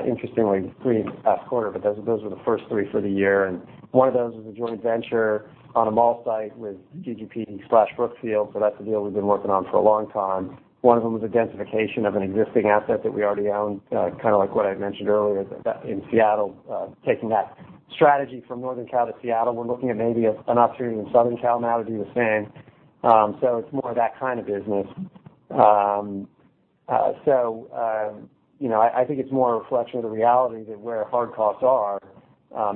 Interestingly, three in the past quarter, but those were the first three for the year. One of those was a joint venture on a mall site with GGP/Brookfield, that's a deal we've been working on for a long time. One of them was a densification of an existing asset that we already own, kind of like what I mentioned earlier in Seattle. Taking that strategy from Northern Cal to Seattle, we're looking at maybe an opportunity in Southern Cal now to do the same. It's more of that kind of business. I think it's more a reflection of the reality that where hard costs are,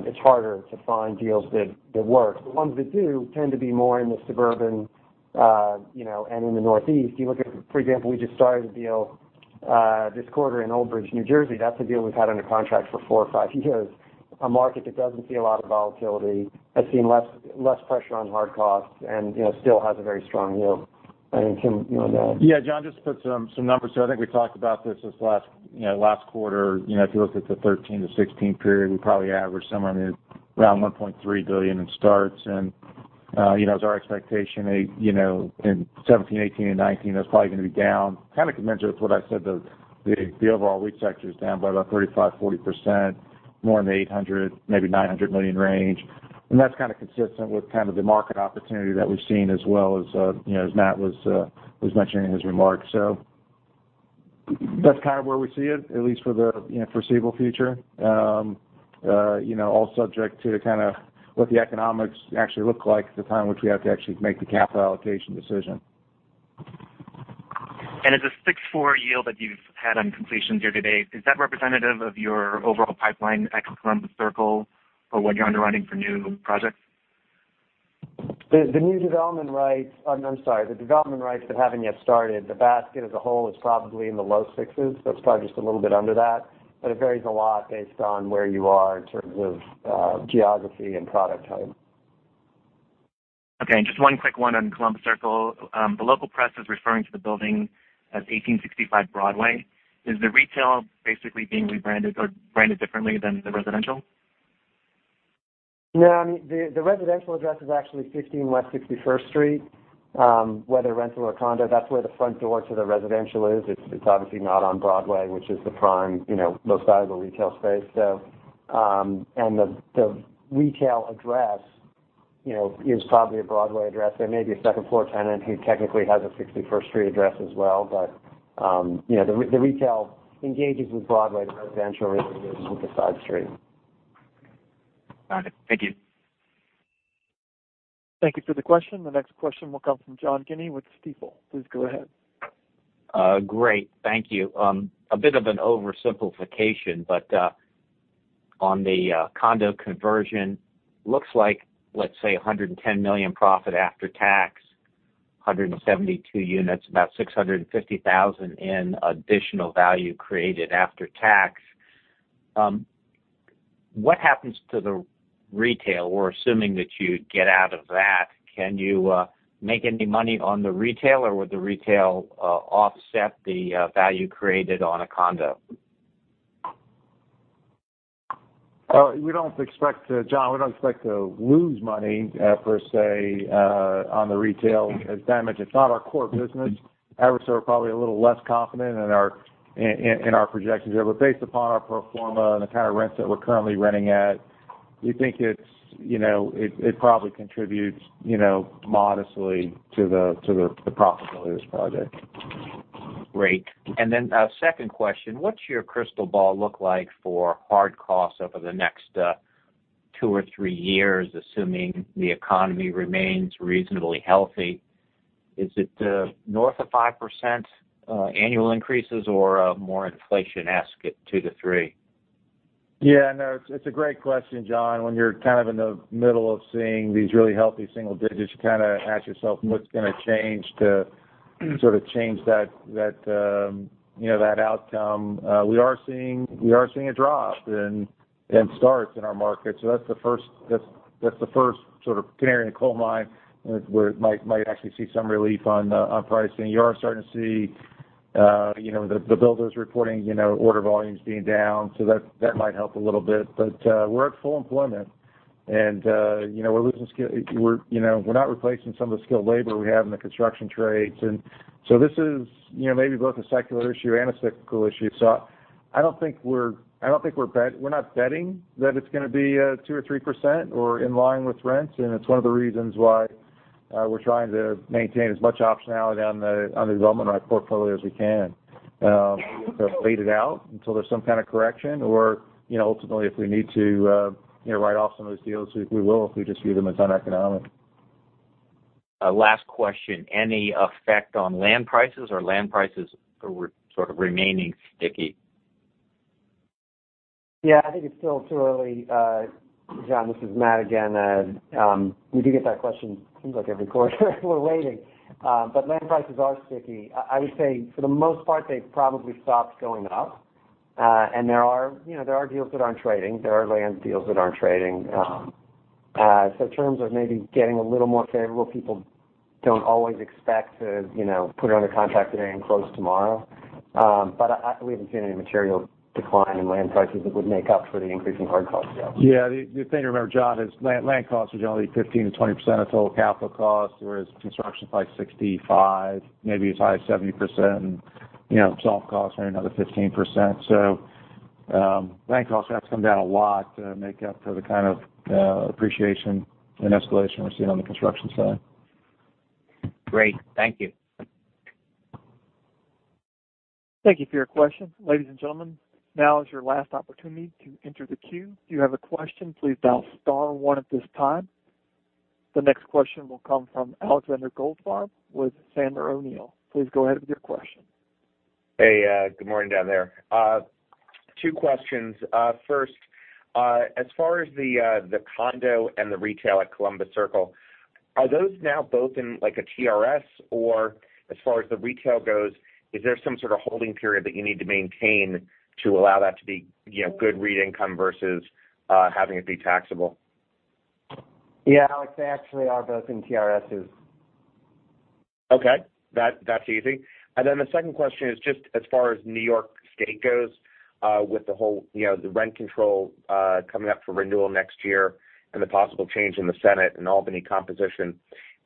it's harder to find deals that work. The ones that do tend to be more in the suburban and in the Northeast. If you look at, for example, we just started a deal this quarter in Old Bridge, New Jersey. That's a deal we've had under contract for four or five years. A market that doesn't see a lot of volatility, has seen less pressure on hard costs, and still has a very strong yield. Tim, you want to- Yeah, John, just to put some numbers. I think we talked about this this last quarter. If you looked at the 2013 to 2016 period, we probably averaged somewhere in the around $1.3 billion in starts. It's our expectation in 2017, 2018, and 2019, that's probably going to be down. Kind of commensurate with what I said, the overall REIT sector is down by about 35%-40%, more in the $800 million, maybe $900 million range. That's kind of consistent with kind of the market opportunity that we've seen as well as Matt was mentioning in his remarks. That's kind of where we see it, at least for the foreseeable future. All subject to kind of what the economics actually look like at the time which we have to actually make the capital allocation decision. Is the 6.4% yield that you've had on completions year-to-date, is that representative of your overall pipeline at Columbus Circle for what you're underwriting for new projects? The development rights that haven't yet started, the basket as a whole is probably in the low sixes, it's probably just a little bit under that. It varies a lot based on where you are in terms of geography and product type. Okay. Just one quick one on Columbus Circle. The local press is referring to the building as 1865 Broadway. Is the retail basically being rebranded or branded differently than the residential? No. The residential address is actually 15 West 61st Street. Whether rental or condo, that's where the front door to the residential is. It's obviously not on Broadway, which is the prime, most valuable retail space. The retail address is probably a Broadway address. There may be a second-floor tenant who technically has a 61st Street address as well, but the retail engages with Broadway. The residential really engages with the side street. Got it. Thank you. Thank you for the question. The next question will come from John Guinee with Stifel. Please go ahead. Great. Thank you. A bit of an oversimplification, on the condo conversion, looks like, let's say, $110 million profit after tax, 172 units, about $650,000 in additional value created after tax. What happens to the retail? We're assuming that you'd get out of that. Can you make any money on the retail, or would the retail offset the value created on a condo? John, we don't expect to lose money per se on the retail as damage. It's not our core business. Obviously, we're probably a little less confident in our projections there. Based upon our pro forma and the kind of rents that we're currently renting at, we think it probably contributes modestly to the profitability of this project. Great. A second question. What's your crystal ball look like for hard costs over the next two or three years, assuming the economy remains reasonably healthy? Is it north of 5% annual increases or more inflation-esque at two to three? Yeah. No, it's a great question, John. When you're kind of in the middle of seeing these really healthy single digits, you kind of ask yourself what's going to change to sort of change that outcome. We are seeing a drop in starts in our market. That's the first sort of canary in the coal mine where might actually see some relief on pricing. You are starting to see the builders reporting order volumes being down. That might help a little bit. We're at full employment, and we're not replacing some of the skilled labor we have in the construction trades. This is maybe both a secular issue and a cyclical issue. I don't think we're not betting that it's going to be 2% or 3% or in line with rents. It's one of the reasons why we're trying to maintain as much optionality on the development right portfolio as we can. Sort of wait it out until there's some kind of correction or, ultimately, if we need to write off some of those deals, we will, if we just view them as uneconomic. Last question. Any effect on land prices or land prices are sort of remaining sticky? Yeah, I think it's still too early. John, this is Matt again. We do get that question it seems like every quarter we're waiting. Land prices are sticky. I would say for the most part, they've probably stopped going up. There are deals that aren't trading. There are land deals that aren't trading. In terms of maybe getting a little more favorable, people don't always expect to put it under contract today and close tomorrow. I believe we've seen a material decline in land prices that would make up for the increase in hard cost deals. Yeah. The thing to remember, John, is land costs are generally 15%-20% of total capital costs, whereas construction's like 65%, maybe as high as 70%. Soft costs are another 15%. Land costs have to come down a lot to make up for the kind of appreciation and escalation we're seeing on the construction side. Great. Thank you. Thank you for your question. Ladies and gentlemen, now is your last opportunity to enter the queue. If you have a question, please dial star one at this time. The next question will come from Alexander Goldfarb with Sandler O'Neill. Please go ahead with your question. Hey, good morning down there. 2 questions. First, as far as the condo and the retail at Columbus Circle, are those now both in like a TRS or as far as the retail goes, is there some sort of holding period that you need to maintain to allow that to be good REIT income versus having it be taxable? Alex, they actually are both in TRS's. That's easy. The second question is just as far as New York State goes with the whole rent control coming up for renewal next year and the possible change in the Senate and Albany composition,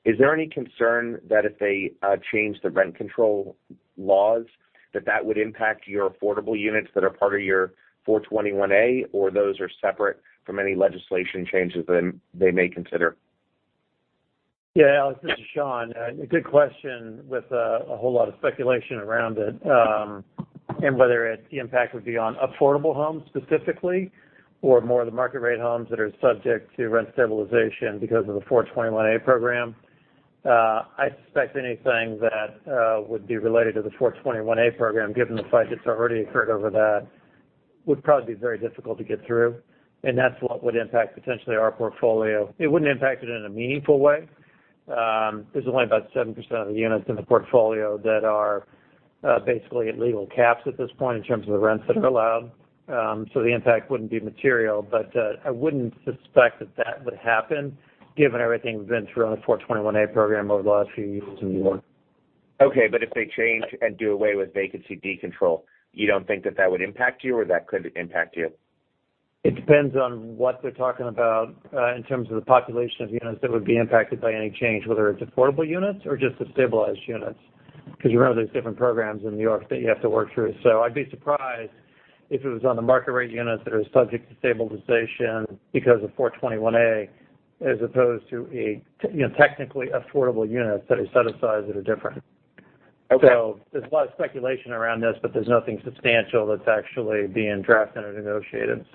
is there any concern that if they change the rent control laws, that that would impact your affordable units that are part of your 421-a, or those are separate from any legislation changes that they may consider? Alex, this is Sean. A good question with a whole lot of speculation around it, and whether the impact would be on affordable homes specifically, or more of the market rate homes that are subject to rent stabilization because of the 421-a program. I suspect anything that would be related to the 421-a program, given the fight that's already occurred over that, would probably be very difficult to get through, and that's what would impact potentially our portfolio. It wouldn't impact it in a meaningful way. This is only about 7% of the units in the portfolio that are basically at legal caps at this point in terms of the rents that are allowed. The impact wouldn't be material. I wouldn't suspect that that would happen given everything we've been through on the 421-a program over the last few years in New York. If they change and do away with vacancy decontrol, you don't think that that would impact you or that could impact you? It depends on what they're talking about in terms of the population of units that would be impacted by any change, whether it's affordable units or just the stabilized units. You remember there's different programs in New York that you have to work through. I'd be surprised if it was on the market-rate units that are subject to stabilization because of 421-a, as opposed to a technically affordable unit that has set-asides that are different. Okay. There's a lot of speculation around this, but there's nothing substantial that's actually being drafted or negotiated.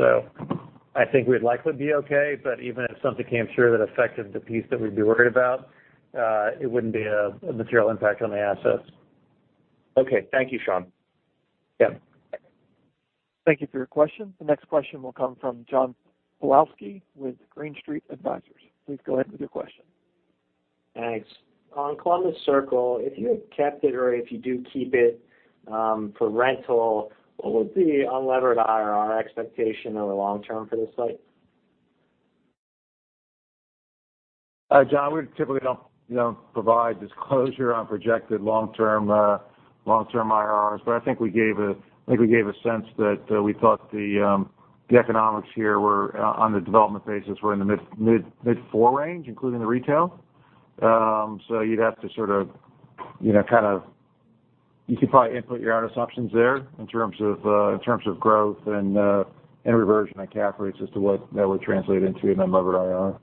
I think we'd likely be okay, but even if something came through that affected the piece that we'd be worried about, it wouldn't be a material impact on the assets. Okay. Thank you, Sean. Yep. Thank you for your question. The next question will come from John Pawlowski with Green Street Advisors. Please go ahead with your question. Thanks. On Columbus Circle, if you had kept it or if you do keep it for rental, what would be unlevered IRR expectation over the long term for this site? John, we typically don't provide disclosure on projected long-term IRRs. I think we gave a sense that we thought the economics here were on the development basis, were in the mid-four range, including the retail. You'd have to, you could probably input your own assumptions there in terms of growth and reversion of cap rates as to what that would translate into in unlevered IRR.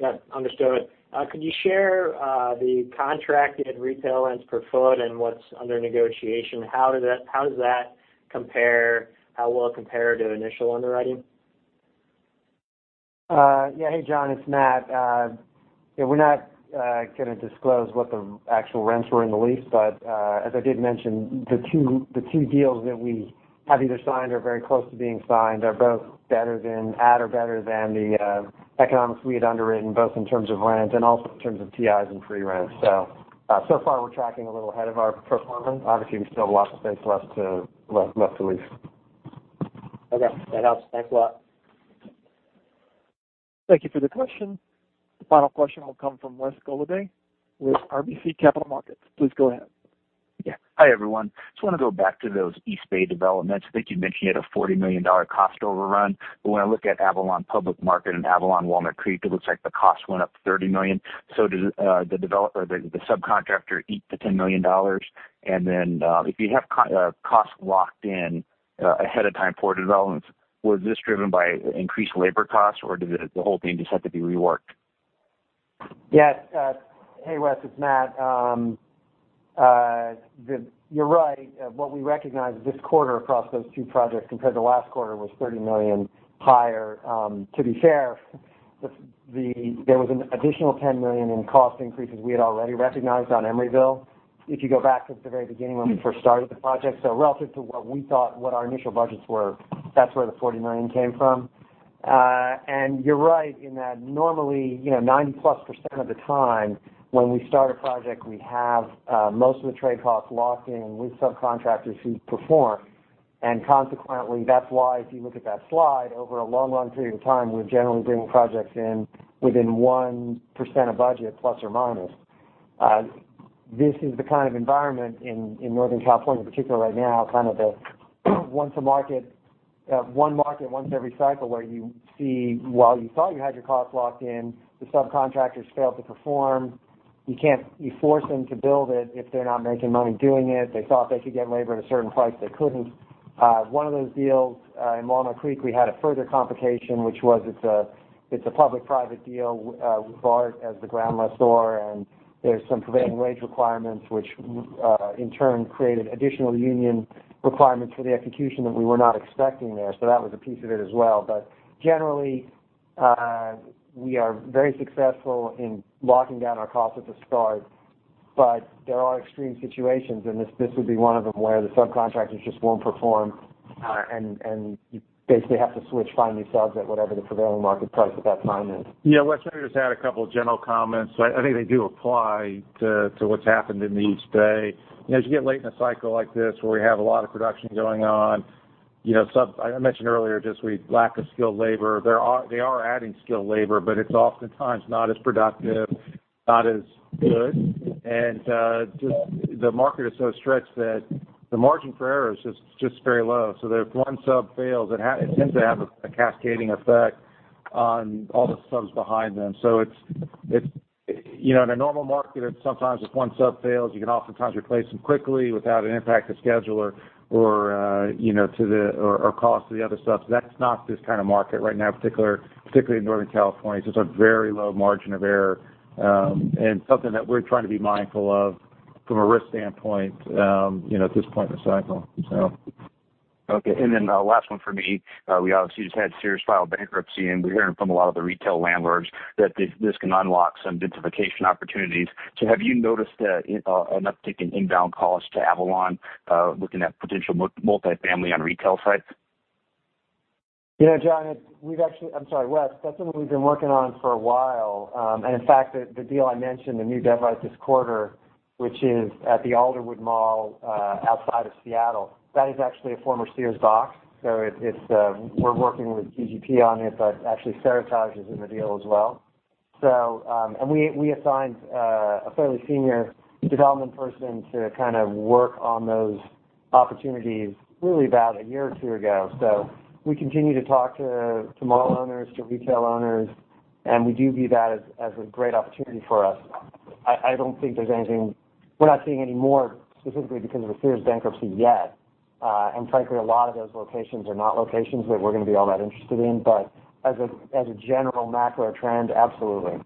Yeah. Understood. Could you share the contracted retail rents per foot and what's under negotiation? How does that compare to initial underwriting? Yeah. Hey, John, it's Matt. We're not going to disclose what the actual rents were in the lease. As I did mention, the two deals that we have either signed or very close to being signed are both better than add or better than the economics we had underwritten, both in terms of rents and also in terms of TIs and pre-rents. Far we're tracking a little ahead of our performance. Obviously, we still have lots of space left to lease. Okay. That helps. Thanks a lot. Thank you for the question. The final question will come from Wes Golladay with RBC Capital Markets. Please go ahead. Yeah. Hi, everyone. Just want to go back to those East Bay developments. I think you mentioned you had a $40 million cost overrun, but when I look at Avalon Public Market and Avalon Walnut Creek, it looks like the cost went up to $30 million. Did the subcontractor eat the $10 million? If you have costs locked in ahead of time for developments, was this driven by increased labor costs, or did the whole thing just have to be reworked? Yes. Hey, Wes, it's Matt. You're right. What we recognized this quarter across those two projects compared to last quarter was $30 million higher. To be fair, there was an additional $10 million in cost increases we had already recognized on Emeryville, if you go back to the very beginning when we first started the project. Relative to what we thought what our initial budgets were, that's where the $40 million came from. You're right in that normally, 90-plus% of the time when we start a project, we have most of the trade costs locked in with subcontractors who perform. Consequently, that's why if you look at that slide, over a long period of time, we're generally bringing projects in within 1% of budget, plus or minus. This is the kind of environment in Northern California particularly right now, kind of the one market, once every cycle, where you see while you thought you had your costs locked in, the subcontractors failed to perform. You force them to build it if they're not making money doing it. They thought they could get labor at a certain price, they couldn't. One of those deals, in Walnut Creek, we had a further complication, which was it's a public-private deal with BART as the ground lessor, and there's some prevailing wage requirements, which in turn created additional union requirements for the execution that we were not expecting there. That was a piece of it as well. Generally, we are very successful in locking down our costs at the start. There are extreme situations, and this would be one of them, where the subcontractors just won't perform, and you basically have to switch, find new subs at whatever the prevailing market price at that time is. Yeah, Wes, let me just add a couple of general comments. I think they do apply to what's happened in the East Bay. As you get late in a cycle like this where we have a lot of production going on, I mentioned earlier, just with lack of skilled labor. They are adding skilled labor, but it's oftentimes not as productive, not as good. Just the market is so stretched that the margin for error is just very low. If one sub fails, it tends to have a cascading effect on all the subs behind them. In a normal market, sometimes if one sub fails, you can oftentimes replace them quickly without an impact to schedule or cost to the other subs. That's not this kind of market right now, particularly in Northern California. It's just a very low margin of error, and something that we're trying to be mindful of from a risk standpoint, at this point in the cycle. Okay. Last one from me. We obviously just had Sears file bankruptcy, we're hearing from a lot of the retail landlords that this can unlock some densification opportunities. Have you noticed an uptick in inbound calls to Avalon, looking at potential multi-family on retail sites? Yeah, John, I'm sorry, Wes. That's something we've been working on for a while. In fact, the deal I mentioned, the new deal I just quoted, which is at the Alderwood Mall, outside of Seattle, that is actually a former Sears box. We're working with GGP on it, actually Seritage is in the deal as well. We assigned a fairly senior development person to kind of work on those opportunities really about a year or two ago. We continue to talk to mall owners, to retail owners, we do view that as a great opportunity for us. We're not seeing any more specifically because of the Sears bankruptcy yet. Frankly, a lot of those locations are not locations that we're going to be all that interested in. As a general macro trend, absolutely.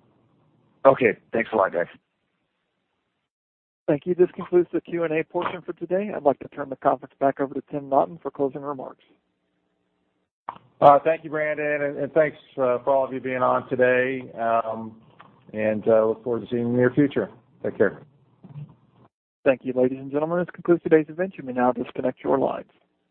Okay. Thanks a lot, guys. Thank you. This concludes the Q&A portion for today. I'd like to turn the conference back over to Timothy Naughton for closing remarks. Thank you, Brandon, and thanks for all of you being on today, and look forward to seeing you in the near future. Take care. Thank you, ladies and gentlemen. This concludes today's event. You may now disconnect your lines.